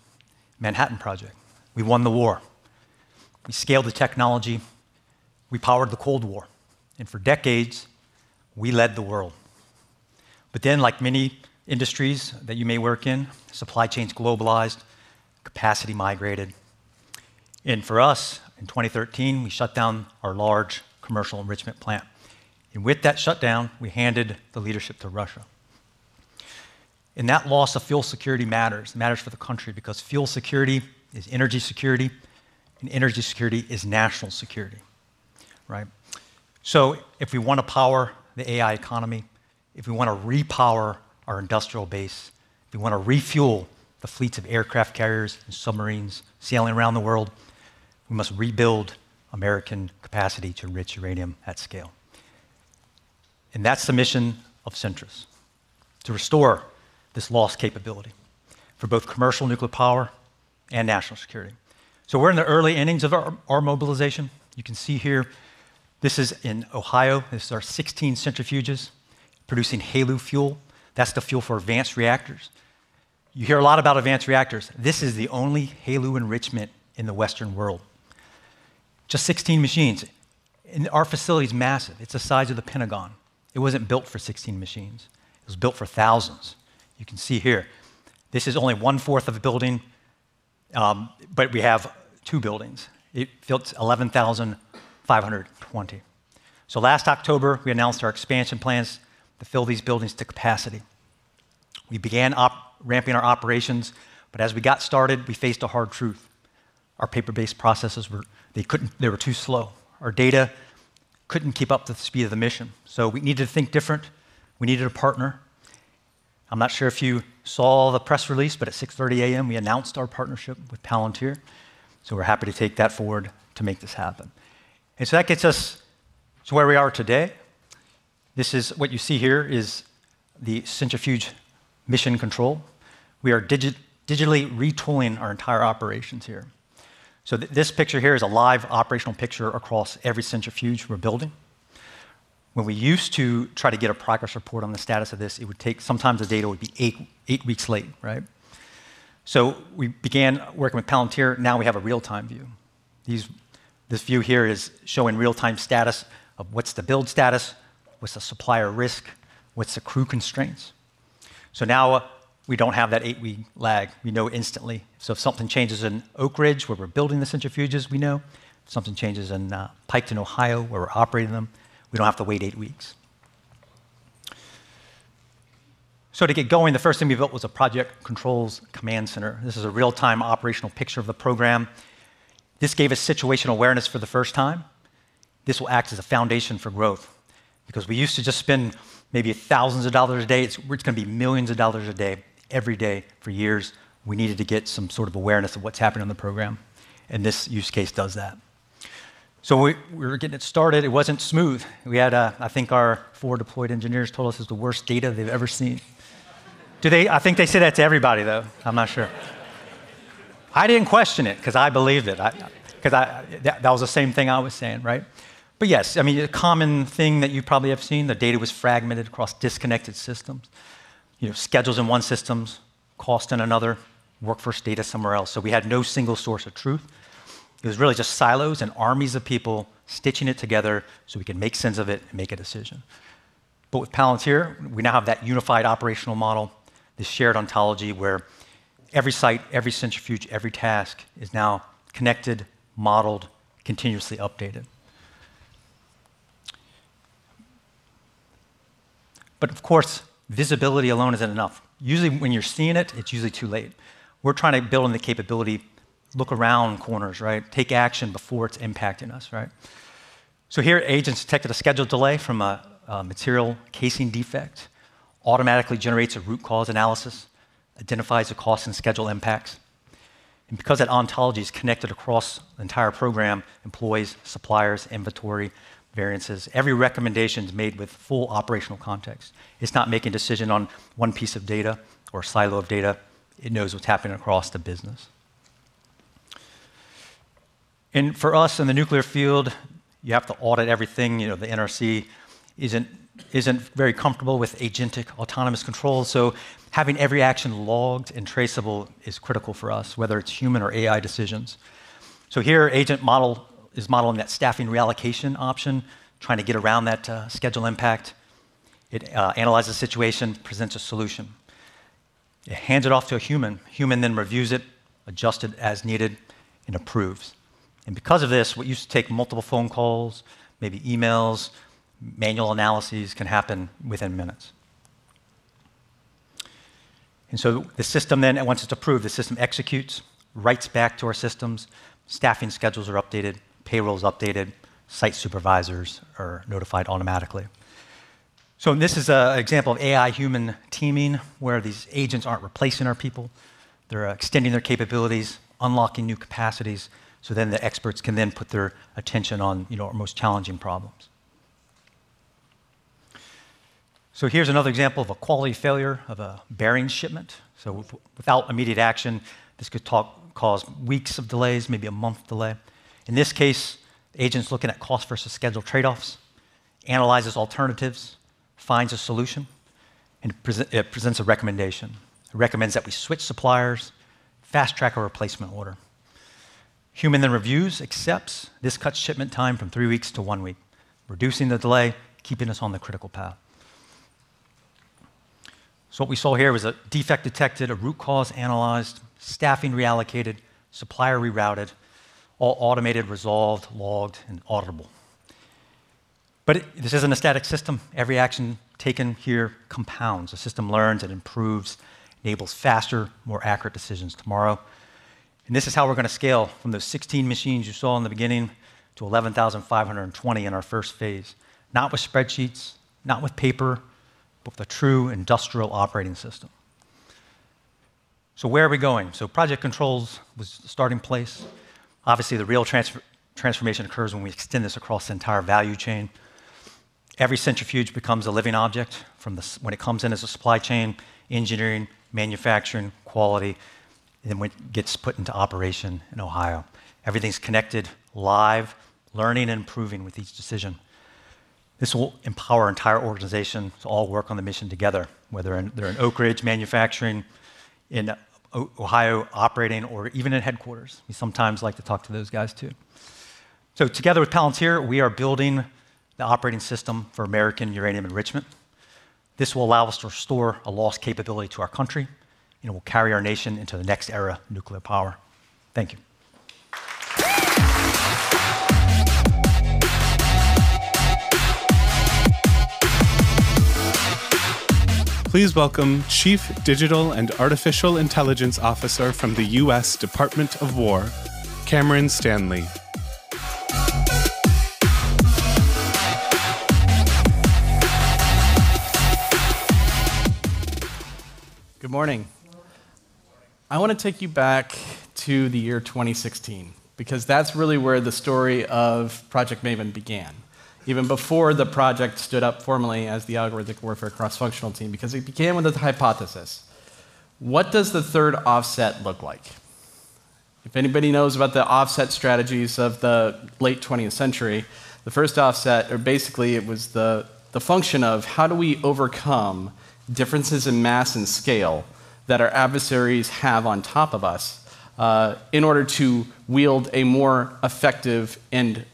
Speaker 18: Manhattan Project. We won the war. We scaled the technology. We powered the Cold War. For decades, we led the world. But then, like many industries that you may work in, supply chains globalized, capacity migrated. For us, in 2013, we shut down our large commercial enrichment plant. With that shutdown, we handed the leadership to Russia. That loss of fuel security matters. It matters for the country because fuel security is energy security, and energy security is national security, right? If we wanna power the AI economy, if we wanna repower our industrial base, if we wanna refuel the fleets of aircraft carriers and submarines sailing around the world, we must rebuild American capacity to enrich uranium at scale. That's the mission of Centrus, to restore this lost capability for both commercial nuclear power and national security. We're in the early innings of our mobilization. You can see here, this is in Ohio. This is our 16 centrifuges producing HALEU fuel. That's the fuel for advanced reactors. You hear a lot about advanced reactors. This is the only HALEU enrichment in the Western world. Just 16 machines. Our facility's massive. It's the size of the Pentagon. It wasn't built for 16 machines. It was built for thousands. You can see here, this is only 1/4 of the building, but we have two buildings. It fills 11,520. Last October, we announced our expansion plans to fill these buildings to capacity. We began ramping our operations, but as we got started, we faced a hard truth. Our paper-based processes were too slow. Our data couldn't keep up the speed of the mission. We needed to think different. We needed a partner. I'm not sure if you saw the press release, but at 6:30 A.M., we announced our partnership with Palantir. We're happy to take that forward to make this happen. That gets us to where we are today. This is what you see here is the centrifuge mission control. We are digitally retooling our entire operations here. This picture here is a live operational picture across every centrifuge we're building. When we used to try to get a progress report on the status of this, it would take. Sometimes the data would be eight weeks late, right? We began working with Palantir. Now we have a real-time view. This view here is showing real-time status of what's the build status, what's the supplier risk, what's the crew constraints. Now we don't have that eight-week lag. We know instantly. If something changes in Oak Ridge, where we're building the centrifuges, we know. If something changes in Piketon, Ohio, where we're operating them, we don't have to wait eight weeks. To get going, the first thing we built was a project controls command center. This is a real-time operational picture of the program. This gave us situational awareness for the first time. This will act as a foundation for growth because we used to just spend maybe thousands of dollars a day. It's gonna be millions of dollars a day, every day, for years. We needed to get some sort of awareness of what's happening on the program, and this use case does that. We were getting it started. It wasn't smooth. We had, I think our four deployed engineers told us it's the worst data they've ever seen. I think they say that to everybody, though. I'm not sure. I didn't question it 'cause I believed it. 'Cause that was the same thing I was saying, right? Yes, I mean, a common thing that you probably have seen, the data was fragmented across disconnected systems. You have schedules in one system, cost in another, workforce data somewhere else. We had no single source of truth. It was really just silos and armies of people stitching it together so we could make sense of it and make a decision. With Palantir, we now have that unified operational model, the shared Ontology where every site, every centrifuge, every task is now connected, modeled, continuously updated. Of course, visibility alone isn't enough. Usually, when you're seeing it's usually too late. We're trying to build on the capability, look around corners, right? Take action before it's impacting us, right? Here, agents detected a scheduled delay from a material casing defect, automatically generates a root cause analysis, identifies the cost and schedule impacts. Because that Ontology is connected across the entire program, employees, suppliers, inventory, variances, every recommendation's made with full operational context. It's not making decision on one piece of data or silo of data. It knows what's happening across the business. For us in the nuclear field, you have to audit everything. You know, the NRC isn't very comfortable with agentic autonomous control. Having every action logged and traceable is critical for us, whether it's human or AI decisions. Here, agent model is modeling that staffing reallocation option, trying to get around that schedule impact. It analyzes the situation, presents a solution. It hands it off to a human. Human then reviews it, adjust it as needed, and approves. Because of this, what used to take multiple phone calls, maybe emails, manual analyses can happen within minutes. The system then, and once it's approved, the system executes, writes back to our systems, staffing schedules are updated, payroll's updated, site supervisors are notified automatically. This is an example of AI human teaming, where these agents aren't replacing our people. They're extending their capabilities, unlocking new capacities, so then the experts can then put their attention on, you know, our most challenging problems. Here's another example of a quality failure of a bearing shipment. Without immediate action, this could cause weeks of delays, maybe a month delay. In this case, agent is looking at cost versus schedule trade-offs, analyzes alternatives, finds a solution, and it presents a recommendation. It recommends that we switch suppliers, fast-track a replacement order. Human then reviews, accepts. This cuts shipment time from three weeks to one week, reducing the delay, keeping us on the critical path. What we saw here was a defect detected, a root cause analyzed, staffing reallocated, supplier rerouted, all automated, resolved, logged, and auditable. This isn't a static system. Every action taken here compounds. The system learns and improves, enables faster, more accurate decisions tomorrow. This is how we're gonna scale from those 16 machines you saw in the beginning to 11,520 in our first phase. Not with spreadsheets, not with paper, but with a true industrial operating system. Where are we going? Project controls was the starting place. Obviously, the real transformation occurs when we extend this across the entire value chain. Every centrifuge becomes a living object when it comes in as a supply chain, engineering, manufacturing, quality, and when it gets put into operation in Ohio. Everything's connected, live, learning, and improving with each decision. This will empower entire organizations to all work on the mission together, whether they're in Oak Ridge manufacturing, in Ohio operating, or even at headquarters. We sometimes like to talk to those guys too. Together with Palantir, we are building the operating system for American uranium enrichment. This will allow us to restore a lost capability to our country, and it will carry our nation into the next era of nuclear power. Thank you.
Speaker 1: Please welcome Chief Digital and Artificial Intelligence Officer from the U.S. Department of Defense, Cameron Stanley.
Speaker 19: Good morning. I wanna take you back to the year 2016, because that's really where the story of Project Maven began, even before the project stood up formally as the Algorithmic Warfare Cross-Functional Team, because it began with a hypothesis. What does the third offset look like? If anybody knows about the offset strategies of the late 20th century, the first offset, or basically it was the function of how do we overcome differences in mass and scale that our adversaries have on top of us, in order to wield a more effective military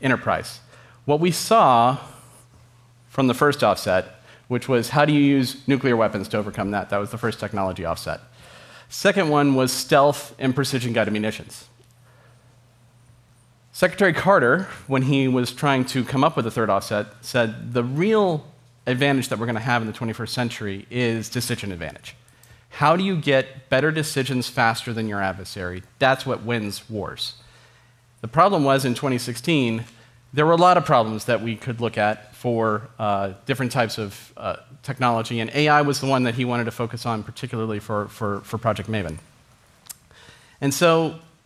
Speaker 19: enterprise. What we saw from the first offset, which was how do you use nuclear weapons to overcome that? That was the first technology offset. Second one was stealth and precision-guided munitions. Secretary Carter, when he was trying to come up with a third offset, said, "The real advantage that we're gonna have in the 21st century is decision advantage. How do you get better decisions faster than your adversary? That's what wins wars." The problem was in 2016, there were a lot of problems that we could look at for different types of technology, and AI was the one that he wanted to focus on particularly for Project Maven.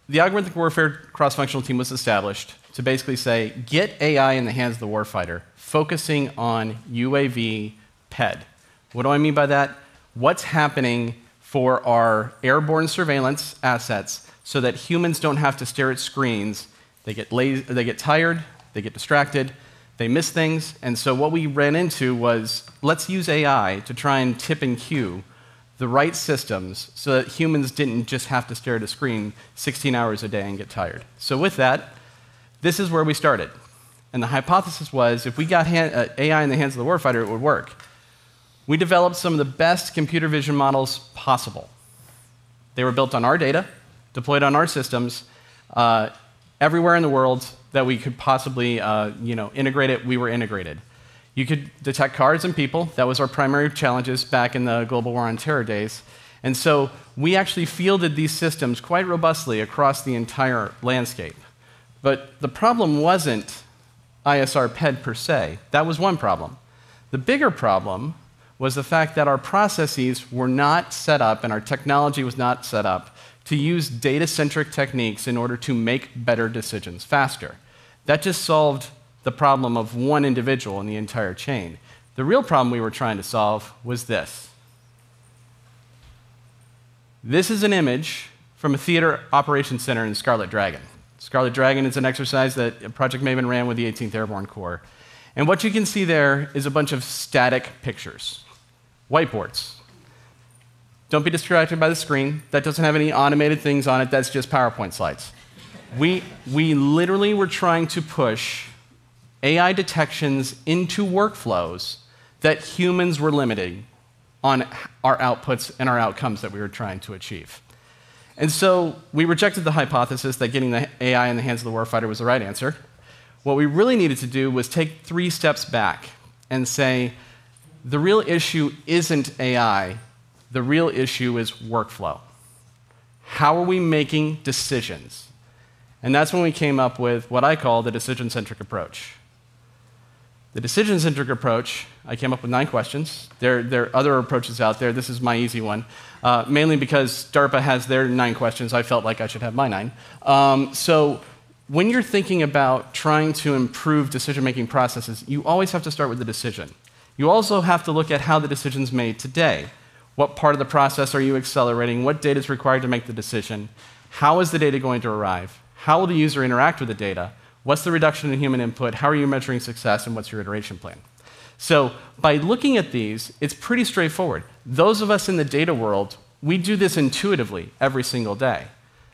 Speaker 19: The Algorithmic Warfare Cross-Functional Team was established to basically say, "Get AI in the hands of the war fighter, focusing on UAV PED." What do I mean by that? What's happening for our airborne surveillance assets so that humans don't have to stare at screens, they get tired, they get distracted, they miss things. What we ran into was, let's use AI to try and tip and cue the right systems so that humans didn't just have to stare at a screen 16 hours a day and get tired. With that, this is where we started, and the hypothesis was if we got AI in the hands of the war fighter, it would work. We developed some of the best computer vision models possible. They were built on our data, deployed on our systems, everywhere in the world that we could possibly, you know, integrate it, we were integrated. You could detect cars and people. That was our primary challenges back in the Global War on Terror days. We actually fielded these systems quite robustly across the entire landscape. The problem wasn't ISR PED per se. That was one problem. The bigger problem was the fact that our processes were not set up and our technology was not set up to use data-centric techniques in order to make better decisions faster. That just solved the problem of one individual in the entire chain. The real problem we were trying to solve was this. This is an image from a theater operations center in Scarlet Dragon. Scarlet Dragon is an exercise that Project Maven ran with the XVIII Airborne Corps. What you can see there is a bunch of static pictures, whiteboards. Don't be distracted by the screen. That doesn't have any automated things on it. That's just PowerPoint slides. We literally were trying to push AI detections into workflows that humans were limiting on our outputs and our outcomes that we were trying to achieve. We rejected the hypothesis that getting the AI in the hands of the war fighter was the right answer. What we really needed to do was take three steps back and say, "The real issue isn't AI, the real issue is workflow. How are we making decisions?" That's when we came up with what I call the decision-centric approach. The decision-centric approach, I came up with nine questions. There are other approaches out there. This is my easy one. Mainly because DARPA has their nine questions, I felt like I should have my nine. So when you're thinking about trying to improve decision-making processes, you always have to start with the decision. You also have to look at how the decision's made today. What part of the process are you accelerating? What data's required to make the decision? How is the data going to arrive? How will the user interact with the data? What's the reduction in human input? How are you measuring success, and what's your iteration plan? By looking at these, it's pretty straightforward. Those of us in the data world, we do this intuitively every single day.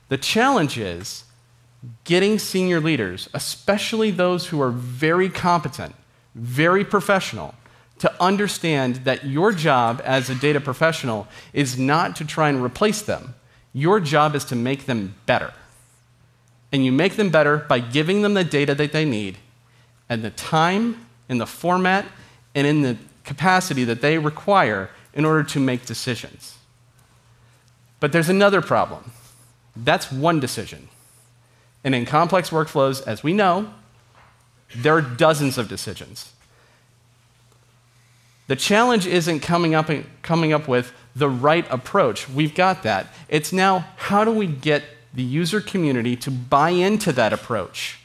Speaker 19: The challenge is getting senior leaders, especially those who are very competent, very professional, to understand that your job as a data professional is not to try and replace them. Your job is to make them better, and you make them better by giving them the data that they need and the time and the format and in the capacity that they require in order to make decisions. There's another problem. That's one decision, and in complex workflows, as we know, there are dozens of decisions. The challenge isn't coming up with the right approach. We've got that. It's now how do we get the user community to buy into that approach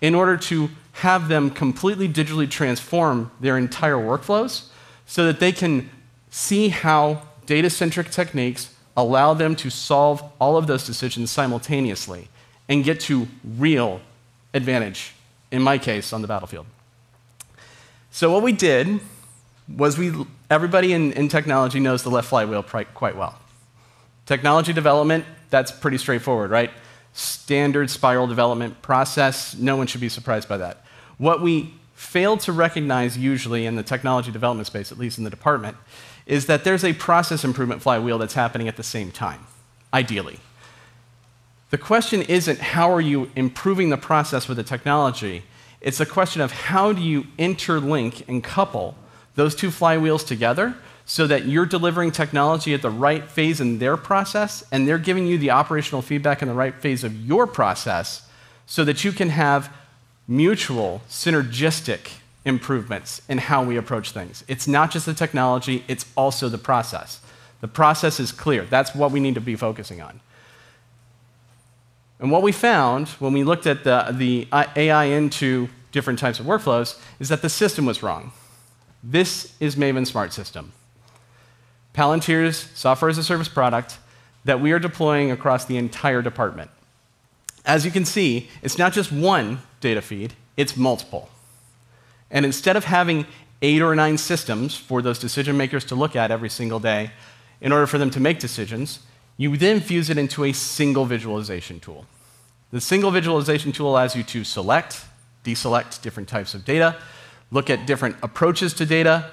Speaker 19: in order to have them completely digitally transform their entire workflows, so that they can see how data-centric techniques, allow them to solve all of those decisions simultaneously and get to real advantage, in my case, on the battlefield. What we did was—everybody in technology knows the left flywheel quite well. Technology development, that's pretty straightforward, right? Standard spiral development process. No one should be surprised by that. What we fail to recognize usually in the technology development space, at least in the department, is that there's a process improvement flywheel that's happening at the same time, ideally. The question isn't how are you improving the process with the technology, it's a question of how do you interlink and couple those two flywheels together so that you're delivering technology at the right phase in their process, and they're giving you the operational feedback in the right phase of your process, so that you can have mutual synergistic improvements in how we approach things. It's not just the technology, it's also the process. The process is clear. That's what we need to be focusing on. What we found when we looked at the AI into different types of workflows is that the system was wrong. This is Maven Smart System, Palantir's software-as-a-service product that we are deploying across the entire department. As you can see, it's not just one data feed, it's multiple. Instead of having eight or nine systems for those decision makers to look at every single day in order for them to make decisions, you then fuse it into a single visualization tool. The single visualization tool allows you to select, deselect different types of data, look at different approaches to data,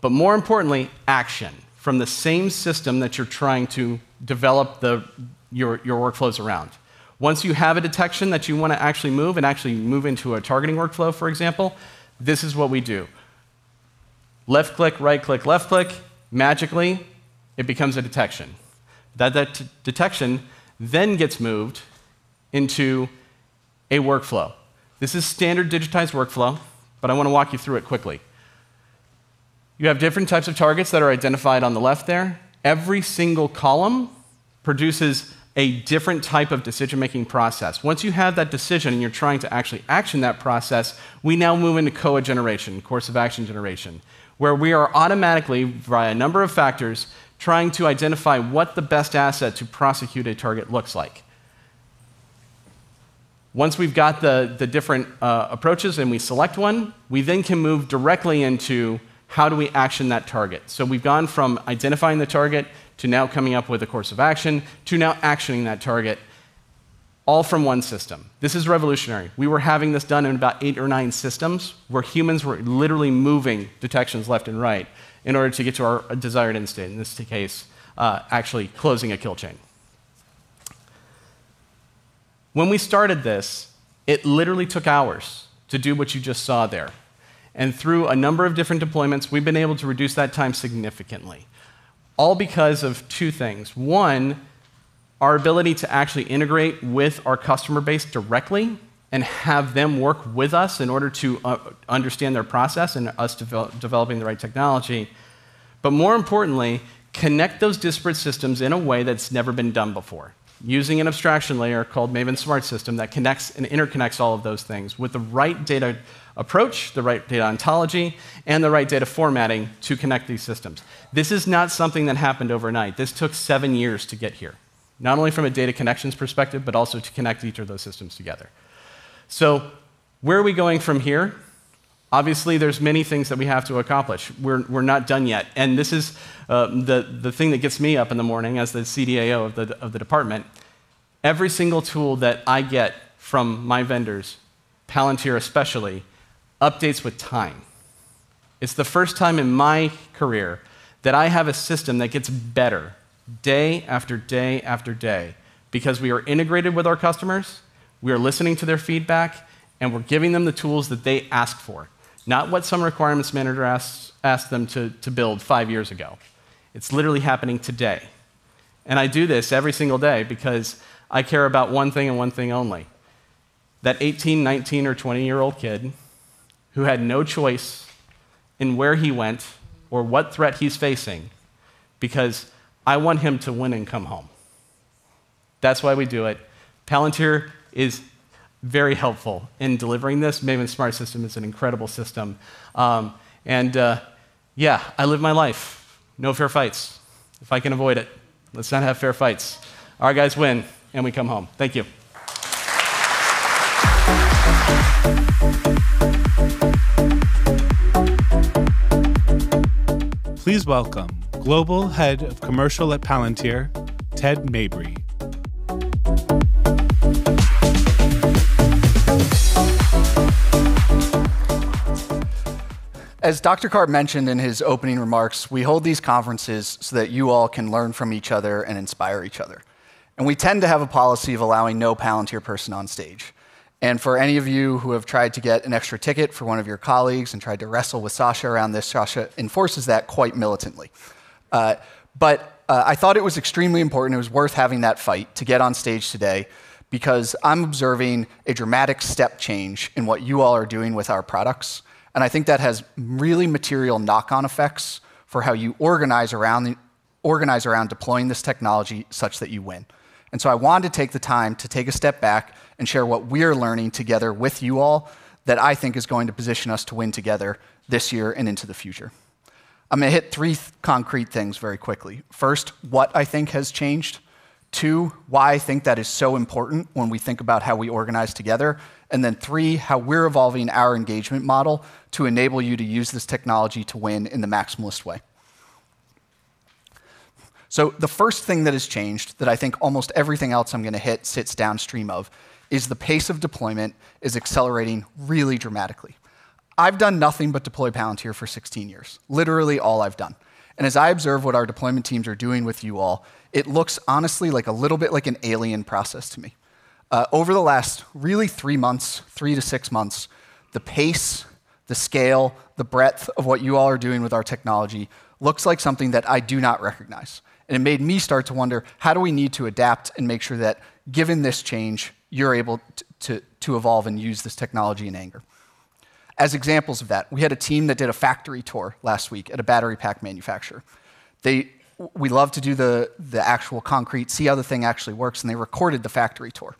Speaker 19: but more importantly, action from the same system that you're trying to develop your workflows around. Once you have a detection that you wanna actually move into a targeting workflow, for example, this is what we do. Left click, right click, left click, magically it becomes a detection. That detection then gets moved into a workflow. This is standard digitized workflow, but I wanna walk you through it quickly. You have different types of targets that are identified on the left there. Every single column produces a different type of decision-making process. Once you have that decision and you're trying to actually action that process, we now move into COA generation, course of action generation, where we are automatically, via a number of factors, trying to identify what the best asset to prosecute a target looks like. Once we've got the different approaches and we select one, we then can move directly into how do we action that target? We've gone from identifying the target to now coming up with a course of action to now actioning that target all from one system. This is revolutionary. We were having this done in about eight or nine systems where humans were literally moving detections left and right in order to get to our desired end state, in this case, actually closing a kill chain. When we started this, it literally took hours to do what you just saw there, and through a number of different deployments, we've been able to reduce that time significantly all because of two things. One, our ability to actually integrate with our customer base directly and have them work with us in order to understand their process and us developing the right technology. More importantly, connect those disparate systems in a way that's never been done before using an abstraction layer called Maven Smart System that connects and interconnects all of those things with the right data approach, the right data Ontology, and the right data formatting to connect these systems. This is not something that happened overnight. This took seven years to get here, not only from a data connections perspective, but also to connect each of those systems together. Where are we going from here? Obviously, there's many things that we have to accomplish. We're not done yet, and this is the thing that gets me up in the morning as the CDAO of the department. Every single tool that I get from my vendors, Palantir especially, updates with time. It's the first time in my career that I have a system that gets better day after day after day, because we are integrated with our customers, we are listening to their feedback, and we're giving them the tools that they ask for, not what some requirements manager asked them to build five years ago. It's literally happening today. I do this every single day because I care about one thing and one thing only, that 18, 19, or 20-year-old kid who had no choice in where he went or what threat he's facing because I want him to win and come home. That's why we do it. Palantir is very helpful in delivering this. Maven Smart System is an incredible system. Yeah, I live my life no fair fights if I can avoid it. Let's not have fair fights. Our guys win, and we come home. Thank you.
Speaker 1: Please welcome Global Head of Commercial at Palantir, Ted Mabrey.
Speaker 20: As Dr. Karp mentioned in his opening remarks, we hold these conferences so that you all can learn from each other and inspire each other, and we tend to have a policy of allowing no Palantir person on stage. For any of you who have tried to get an extra ticket for one of your colleagues and tried to wrestle with Sasha around this, Sasha enforces that quite militantly. I thought it was extremely important, it was worth having that fight to get on stage today because I'm observing a dramatic step change in what you all are doing with our products, and I think that has really material knock-on effects for how you organize around deploying this technology such that you win. I wanted to take the time to take a step back and share what we're learning together with you all that I think is going to position us to win together this year and into the future. I'm gonna hit three concrete things very quickly. First, what I think has changed. Two, why I think that is so important when we think about how we organize together. Three, how we're evolving our engagement model to enable you to use this technology to win in the maximalist way. The first thing that has changed that I think almost everything else I'm gonna hit sits downstream of is the pace of deployment is accelerating really dramatically. I've done nothing but deploy Palantir for 16 years. Literally all I've done. As I observe what our deployment teams are doing with you all, it looks honestly like a little bit like an alien process to me. Over the last really three months, three to six months, the pace, the scale, the breadth of what you all are doing with our technology looks like something that I do not recognize, and it made me start to wonder, how do we need to adapt and make sure that given this change, you're able to evolve and use this technology in anger? As examples of that, we had a team that did a factory tour last week at a battery pack manufacturer. We love to do the actual concrete, see how the thing actually works, and they recorded the factory tour,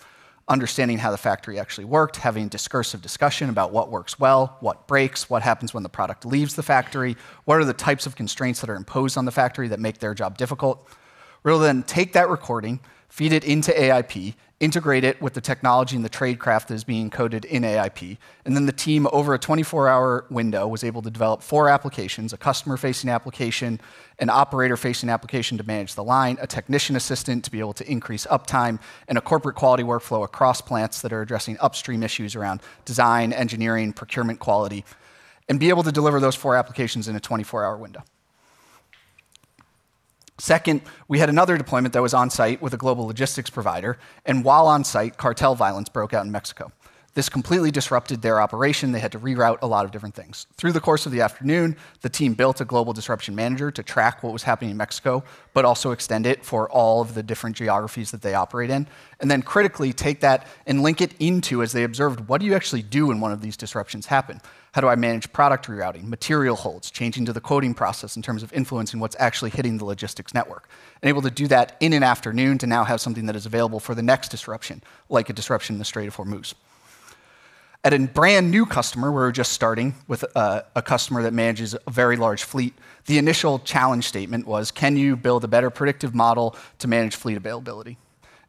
Speaker 20: understanding how the factory actually worked, having discursive discussion about what works well, what breaks, what happens when the product leaves the factory, what are the types of constraints that are imposed on the factory that make their job difficult. We'll then take that recording, feed it into AIP, integrate it with the technology and the trade craft that is being coded in AIP, and then the team over a 24-hour window was able to develop four applications. A customer-facing application, an operator-facing application to manage the line, a technician assistant to be able to increase uptime, and a corporate quality workflow across plants that are addressing upstream issues around design, engineering, procurement quality, and be able to deliver those four applications in a 24-hour window. Second, we had another deployment that was on-site with a global logistics provider, and while on-site, cartel violence broke out in Mexico. This completely disrupted their operation. They had to reroute a lot of different things. Through the course of the afternoon, the team built a global disruption manager to track what was happening in Mexico, but also extend it for all of the different geographies that they operate in. And then critically take that and link it into as they observed, what do you actually do when one of these disruptions happen? How do I manage product rerouting, material holds, changing to the coding process in terms of influencing what's actually hitting the logistics network? Able to do that in an afternoon to now have something that is available for the next disruption, like a disruption in the Strait of Hormuz. At a brand new customer, we're just starting with a customer that manages a very large fleet. The initial challenge statement was, "Can you build a better predictive model to manage fleet availability?"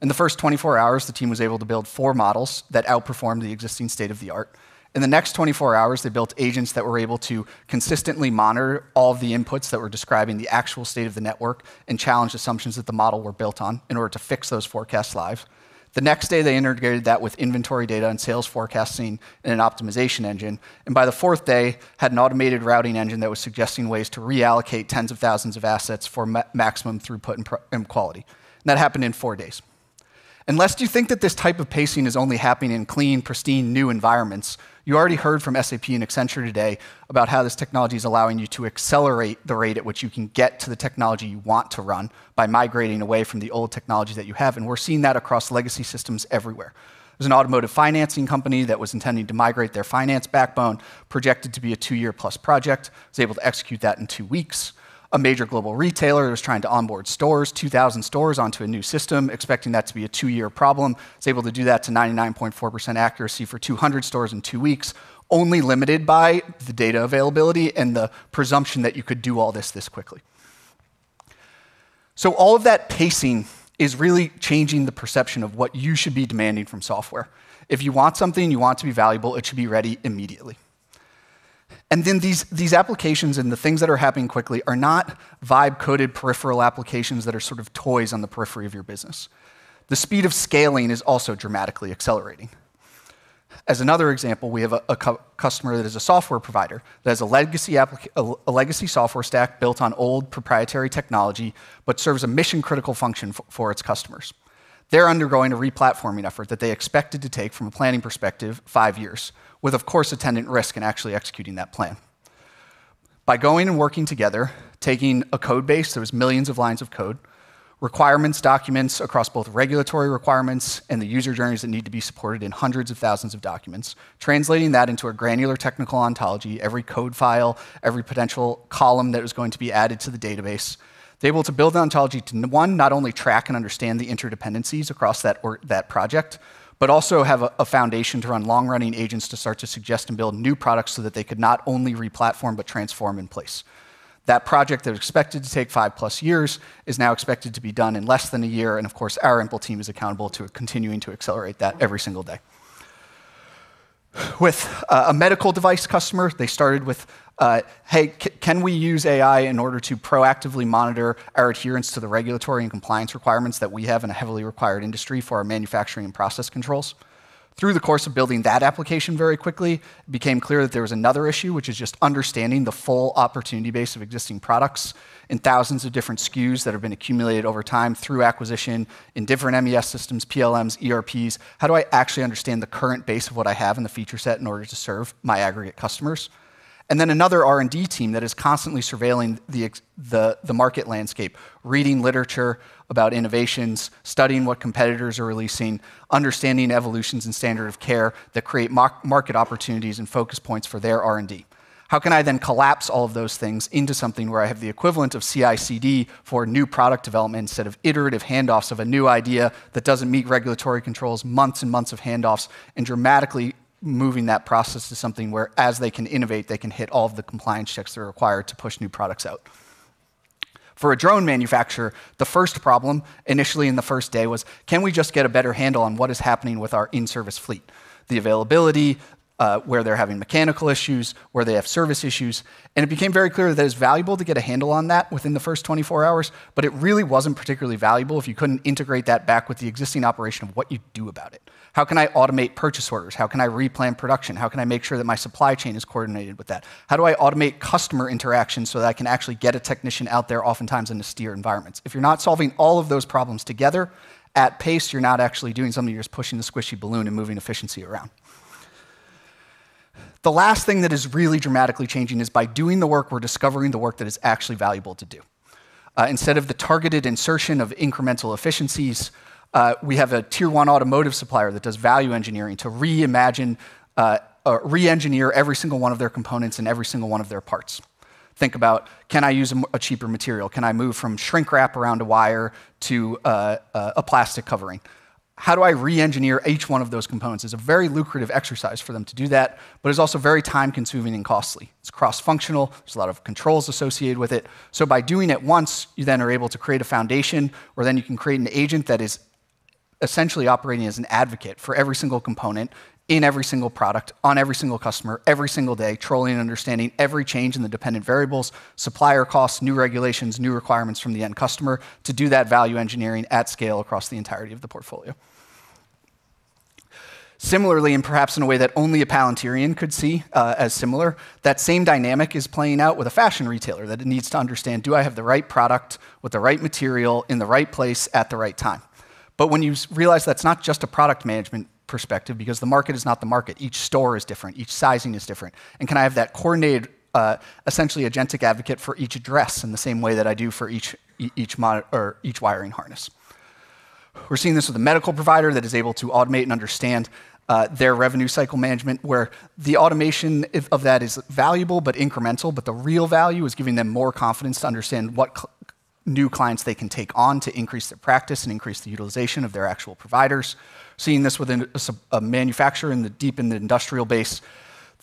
Speaker 20: In the first 24 hours, the team was able to build four models that outperformed the existing state-of-the-art. In the next 24 hours, they built agents that were able to consistently monitor all of the inputs that were describing the actual state of the network and challenge assumptions that the model were built on in order to fix those forecasts live. The next day, they integrated that with inventory data and sales forecasting in an optimization engine. By the fourth day, had an automated routing engine that was suggesting ways to reallocate tens of thousands of assets for maximum throughput and quality. That happened in 4 days. Lest you think that this type of pacing is only happening in clean, pristine, new environments. You already heard from SAP and Accenture today about how this technology is allowing you to accelerate the rate at which you can get to the technology you want to run by migrating away from the old technology that you have, and we're seeing that across legacy systems everywhere. There's an automotive financing company that was intending to migrate their finance backbone, projected to be a two-year plus project, was able to execute that in two weeks. A major global retailer that was trying to onboard stores, 2,000 stores onto a new system, expecting that to be a two-year problem, was able to do that to 99.4% accuracy for 200 stores in 2 weeks. Only limited by the data availability and the presumption that you could do all this quickly. All of that pacing is really changing the perception of what you should be demanding from software. If you want something, you want it to be valuable, it should be ready immediately. These applications and the things that are happening quickly are not vibe-coded peripheral applications that are sort of toys on the periphery of your business. The speed of scaling is also dramatically accelerating. As another example, we have a customer that is a software provider that has a legacy software stack built on old proprietary technology, but serves a mission-critical function for its customers. They're undergoing a replatforming effort that they expected to take from a planning perspective, five years, with of course attendant risk in actually executing that plan. By going and working together, taking a code base, there was millions of lines of code, requirements, documents across both regulatory requirements and the user journeys that need to be supported in hundreds of thousands of documents, translating that into a granular technical Ontology, every code file, every potential column that was going to be added to the database. They were able to build an Ontology to one, not only track and understand the interdependencies across that project, but also have a foundation to run long-running agents. To start to suggest and build new products so that they could not only replatform but transform in place. That project that was expected to take five plus years is now expected to be done in less than a year, and of course, our Impl team is accountable to continuing to accelerate that every single day. With a medical device customer, they started with, "Hey, can we use AI in order to proactively monitor our adherence to the regulatory and compliance requirements that we have in a heavily required industry for our manufacturing and process controls?" Through the course of building that application very quickly, it became clear that there was another issue, which is just understanding the full opportunity base of existing products and thousands of different SKUs that have been accumulated over time through acquisition in different MES systems, PLMs, ERPs. How do I actually understand the current base of what I have in the feature set in order to serve my aggregate customers? Another R&D team that is constantly surveilling the market landscape. Reading literature about innovations, studying what competitors are releasing, understanding evolutions and standard of care that create market opportunities and focus points for their R&D. How can I then collapse all of those things into something where I have the equivalent of CI/CD for new product development instead of iterative handoffs of a new idea that doesn't meet regulatory controls, months and months of handoffs, and dramatically moving that process to something where as they can innovate, they can hit all of the compliance checks that are required to push new products out? For a drone manufacturer, the first problem initially in the first day was, "Can we just get a better handle on what is happening with our in-service fleet?" The availability, where they're having mechanical issues, where they have service issues. It became very clear that it's valuable to get a handle on that within the first 24 hours, but it really wasn't particularly valuable if you couldn't integrate that back with the existing operation of what you do about it. How can I automate purchase orders? How can I replan production? How can I make sure that my supply chain is coordinated with that? How do I automate customer interactions so that I can actually get a technician out there oftentimes in austere environments? If you're not solving all of those problems together at pace, you're not actually doing something, you're just pushing the squishy balloon and moving efficiency around. The last thing that is really dramatically changing is by doing the work, we're discovering the work that is actually valuable to do. Instead of the targeted insertion of incremental efficiencies, we have a Tier 1 automotive supplier that does value engineering to reimagine, reengineer every single one of their components and every single one of their parts. Think about, can I use a cheaper material? Can I move from shrink wrap around a wire to a plastic covering? How do I reengineer each one of those components? It's a very lucrative exercise for them to do that, but it's also very time-consuming and costly. It's cross-functional. There's a lot of controls associated with it. By doing it once, you then are able to create a foundation where then you can create an agent that is essentially operating as an advocate for every single component in every single product on every single customer every single day, trolling and understanding every change in the dependent variables, supplier costs, new regulations, new requirements from the end customer to do that value engineering at scale across the entirety of the portfolio. Similarly, and perhaps in a way that only a Palantirian could see, that same dynamic is playing out with a fashion retailer that it needs to understand, do I have the right product with the right material in the right place at the right time? When you realize that's not just a product management perspective because the market is not the market, each store is different, each sizing is different, and can I have that coordinated, essentially agentic advocate for each address in the same way that I do for each, or each wiring harness? We're seeing this with a medical provider that is able to automate and understand their revenue cycle management, where the automation of that is valuable but incremental, but the real value is giving them more confidence to understand what new clients they can take on to increase their practice and increase the utilization of their actual providers. Seeing this within a manufacturer in the deep in the industrial base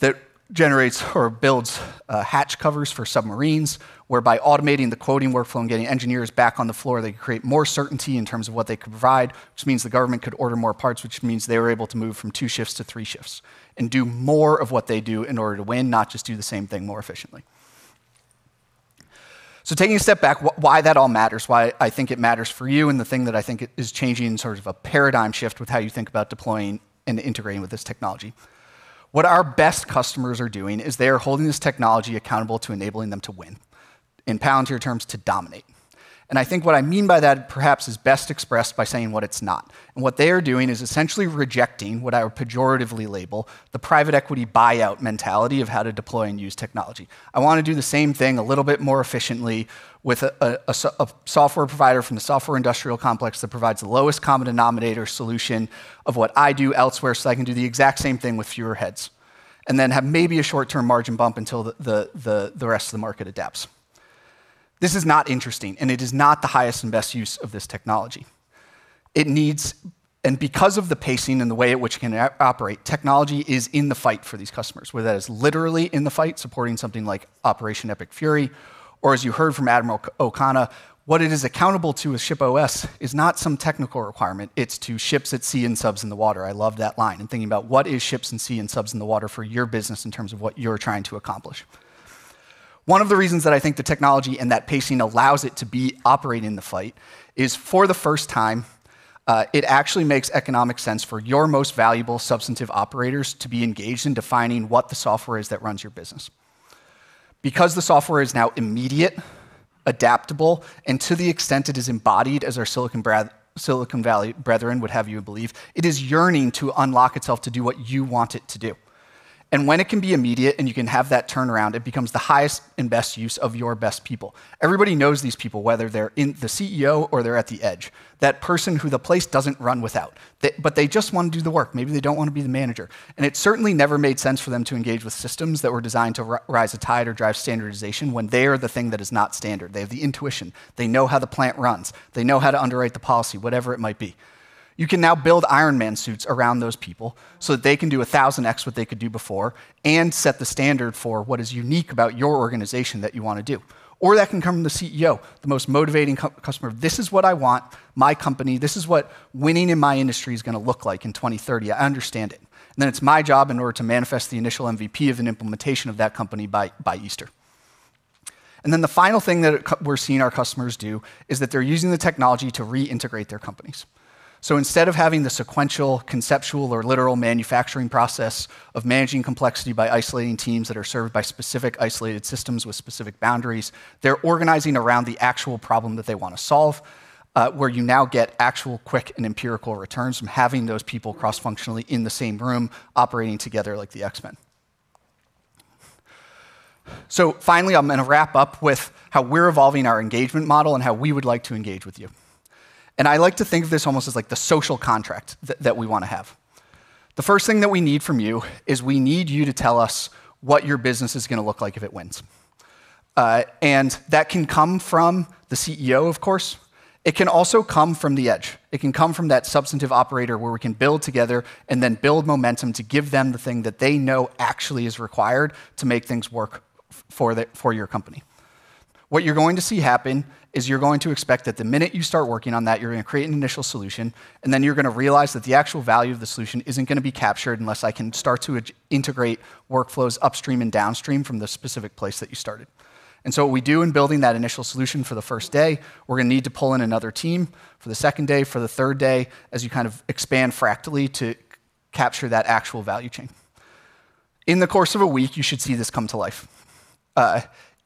Speaker 20: that generates or builds hatch covers for submarines, whereby automating the quoting workflow and getting engineers back on the floor, they can create more certainty in terms of what they can provide, which means the government could order more parts, which means they were able to move from two shifts to three shifts and do more of what they do in order to win, not just do the same thing more efficiently. Taking a step back, why that all matters, why I think it matters for you, and the thing that I think it is changing in sort of a paradigm shift with how you think about deploying and integrating with this technology. What our best customers are doing is they are holding this technology accountable to enabling them to win. In Palantir terms, to dominate. I think what I mean by that perhaps is best expressed by saying what it's not. What they are doing is essentially rejecting what I would pejoratively label the private equity buyout mentality of how to deploy and use technology. I wanna do the same thing a little bit more efficiently with a SaaS software provider from the software industrial complex that provides the lowest common denominator solution of what I do elsewhere, so I can do the exact same thing with fewer heads. Then have maybe a short-term margin bump until the rest of the market adapts. This is not interesting, and it is not the highest and best use of this technology. It needs. Because of the pace at which it can operate, technology is in the fight for these customers, whether that is literally in the fight supporting something like Operation Epic Fury, or as you heard from Admiral O'Connor, what it is accountable to with ShipOS is not some technical requirement, it's to ships at sea and subs in the water. I love that line, and thinking about what ships at sea and subs in the water for your business in terms of what you're trying to accomplish. One of the reasons that I think the technology and that pace allows it to be operating in the fight is for the first time, it actually makes economic sense for your most valuable substantive operators to be engaged in defining what the software is that runs your business. Because the software is now immediate, adaptable, and to the extent it is embodied as our Silicon Valley brethren would have you believe, it is yearning to unlock itself to do what you want it to do. When it can be immediate and you can have that turnaround, it becomes the highest and best use of your best people. Everybody knows these people, whether they're in the CEO or they're at the edge. That person who the place doesn't run without. But they just wanna do the work. Maybe they don't wanna be the manager. It certainly never made sense for them to engage with systems that were designed to raise a tide or drive standardization when they are the thing that is not standard. They have the intuition. They know how the plant runs. They know how to underwrite the policy, whatever it might be. You can now build Iron Man suits around those people, so that they can do 1000x what they could do before and set the standard for what is unique about your organization that you wanna do. Or that can come from the CEO, the most motivating customer. "This is what I want my company. This is what winning in my industry is gonna look like in 2030. I understand it." Then it's my job in order to manifest the initial MVP of an implementation of that company by Easter. Then the final thing that we're seeing our customers do is that they're using the technology to reintegrate their companies. Instead of having the sequential, conceptual or literal manufacturing process of managing complexity by isolating teams that are served by specific isolated systems with specific boundaries, they're organizing around the actual problem that they wanna solve. Where you now get actual, quick, and empirical returns from having those people cross-functionally in the same room operating together like the X-Men. Finally, I'm gonna wrap up with how we're evolving our engagement model and how we would like to engage with you. I like to think of this almost as like the social contract that we wanna have. The first thing that we need from you is we need you to tell us what your business is gonna look like if it wins. And that can come from the CEO, of course. It can also come from the edge. It can come from that substantive operator where we can build together and then build momentum to give them the thing that they know, actually is required to make things work for your company. What you're going to see happen, is you're going to expect that the minute you start working on that, you're gonna create an initial solution, and then you're gonna realize that the actual value of the solution isn't gonna be captured, unless I can start to integrate workflows upstream and downstream from the specific place that you started. What we do in building that initial solution for the first day, we're gonna need to pull in another team for the second day, for the third day, as you kind of expand fractally to capture that actual value chain. In the course of a week, you should see this come to life.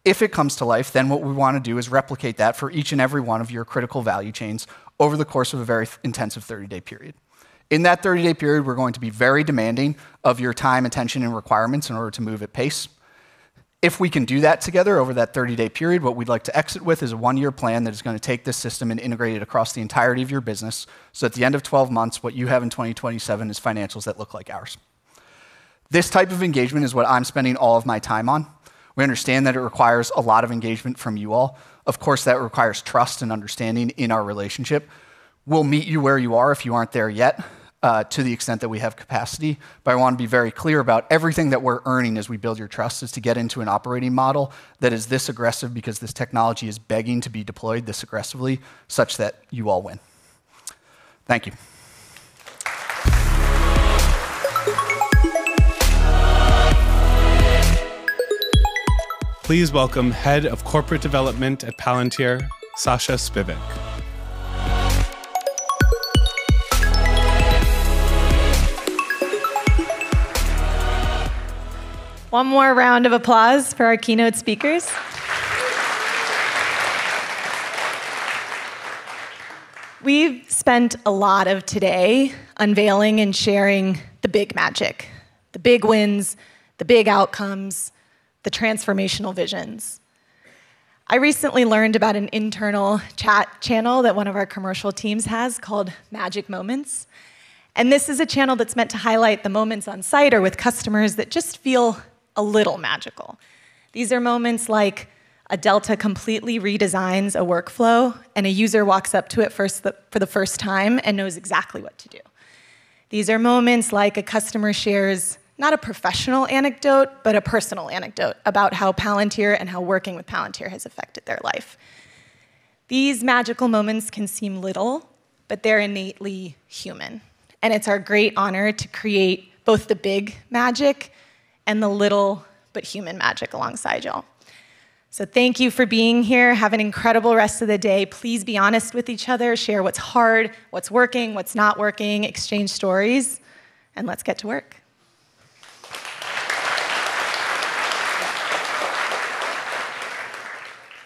Speaker 20: If it comes to life, then what we wanna do is replicate that for each and every one of your critical value chains over the course of a very intensive 30-day period. In that 30-day period, we're going to be very demanding of your time, attention, and requirements in order to move at pace. If we can do that together over that 30-day period, what we'd like to exit with is a one-year plan that is gonna take this system and integrate it across the entirety of your business, so at the end of 12 months, what you have in 2027 is financials that look like ours. This type of engagement is what I'm spending all of my time on. We understand that it requires a lot of engagement from you all. Of course, that requires trust and understanding in our relationship. We'll meet you where you are if you aren't there yet, to the extent that we have capacity. I wanna be very clear about everything that we're earning as we build your trust is to get into an operating model that is this aggressive because this technology is begging to be deployed this aggressively, such that you all win. Thank you.
Speaker 1: Please welcome Head of Corporate Development at Palantir, Sasha Spivak.
Speaker 21: One more round of applause for our keynote speakers. We've spent a lot of today unveiling and sharing the big magic, the big wins, the big outcomes, the transformational visions. I recently learned about an internal chat channel that one of our commercial teams has called Magic Moments, and this is a channel that's meant to highlight the moments on site or with customers that just feel a little magical. These are moments like a Delta completely redesigns a workflow, and a user walks up to it first, for the first time and knows exactly what to do. These are moments like a customer shares, not a professional anecdote, but a personal anecdote about how Palantir and how working with Palantir has affected their life.nThese magical moments can seem little, but they're innately human, and it's our great honor to create both the big magic and the little but human magic alongside y'all. Thank you for being here. Have an incredible rest of the day. Please be honest with each other. Share what's hard, what's working, what's not working, exchange stories, and let's get to work.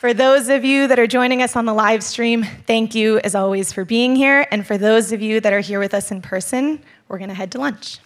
Speaker 21: For those of you that are joining us on the live stream, thank you as always for being here, and for those of you that are here with us in person, we're gonna head to lunch.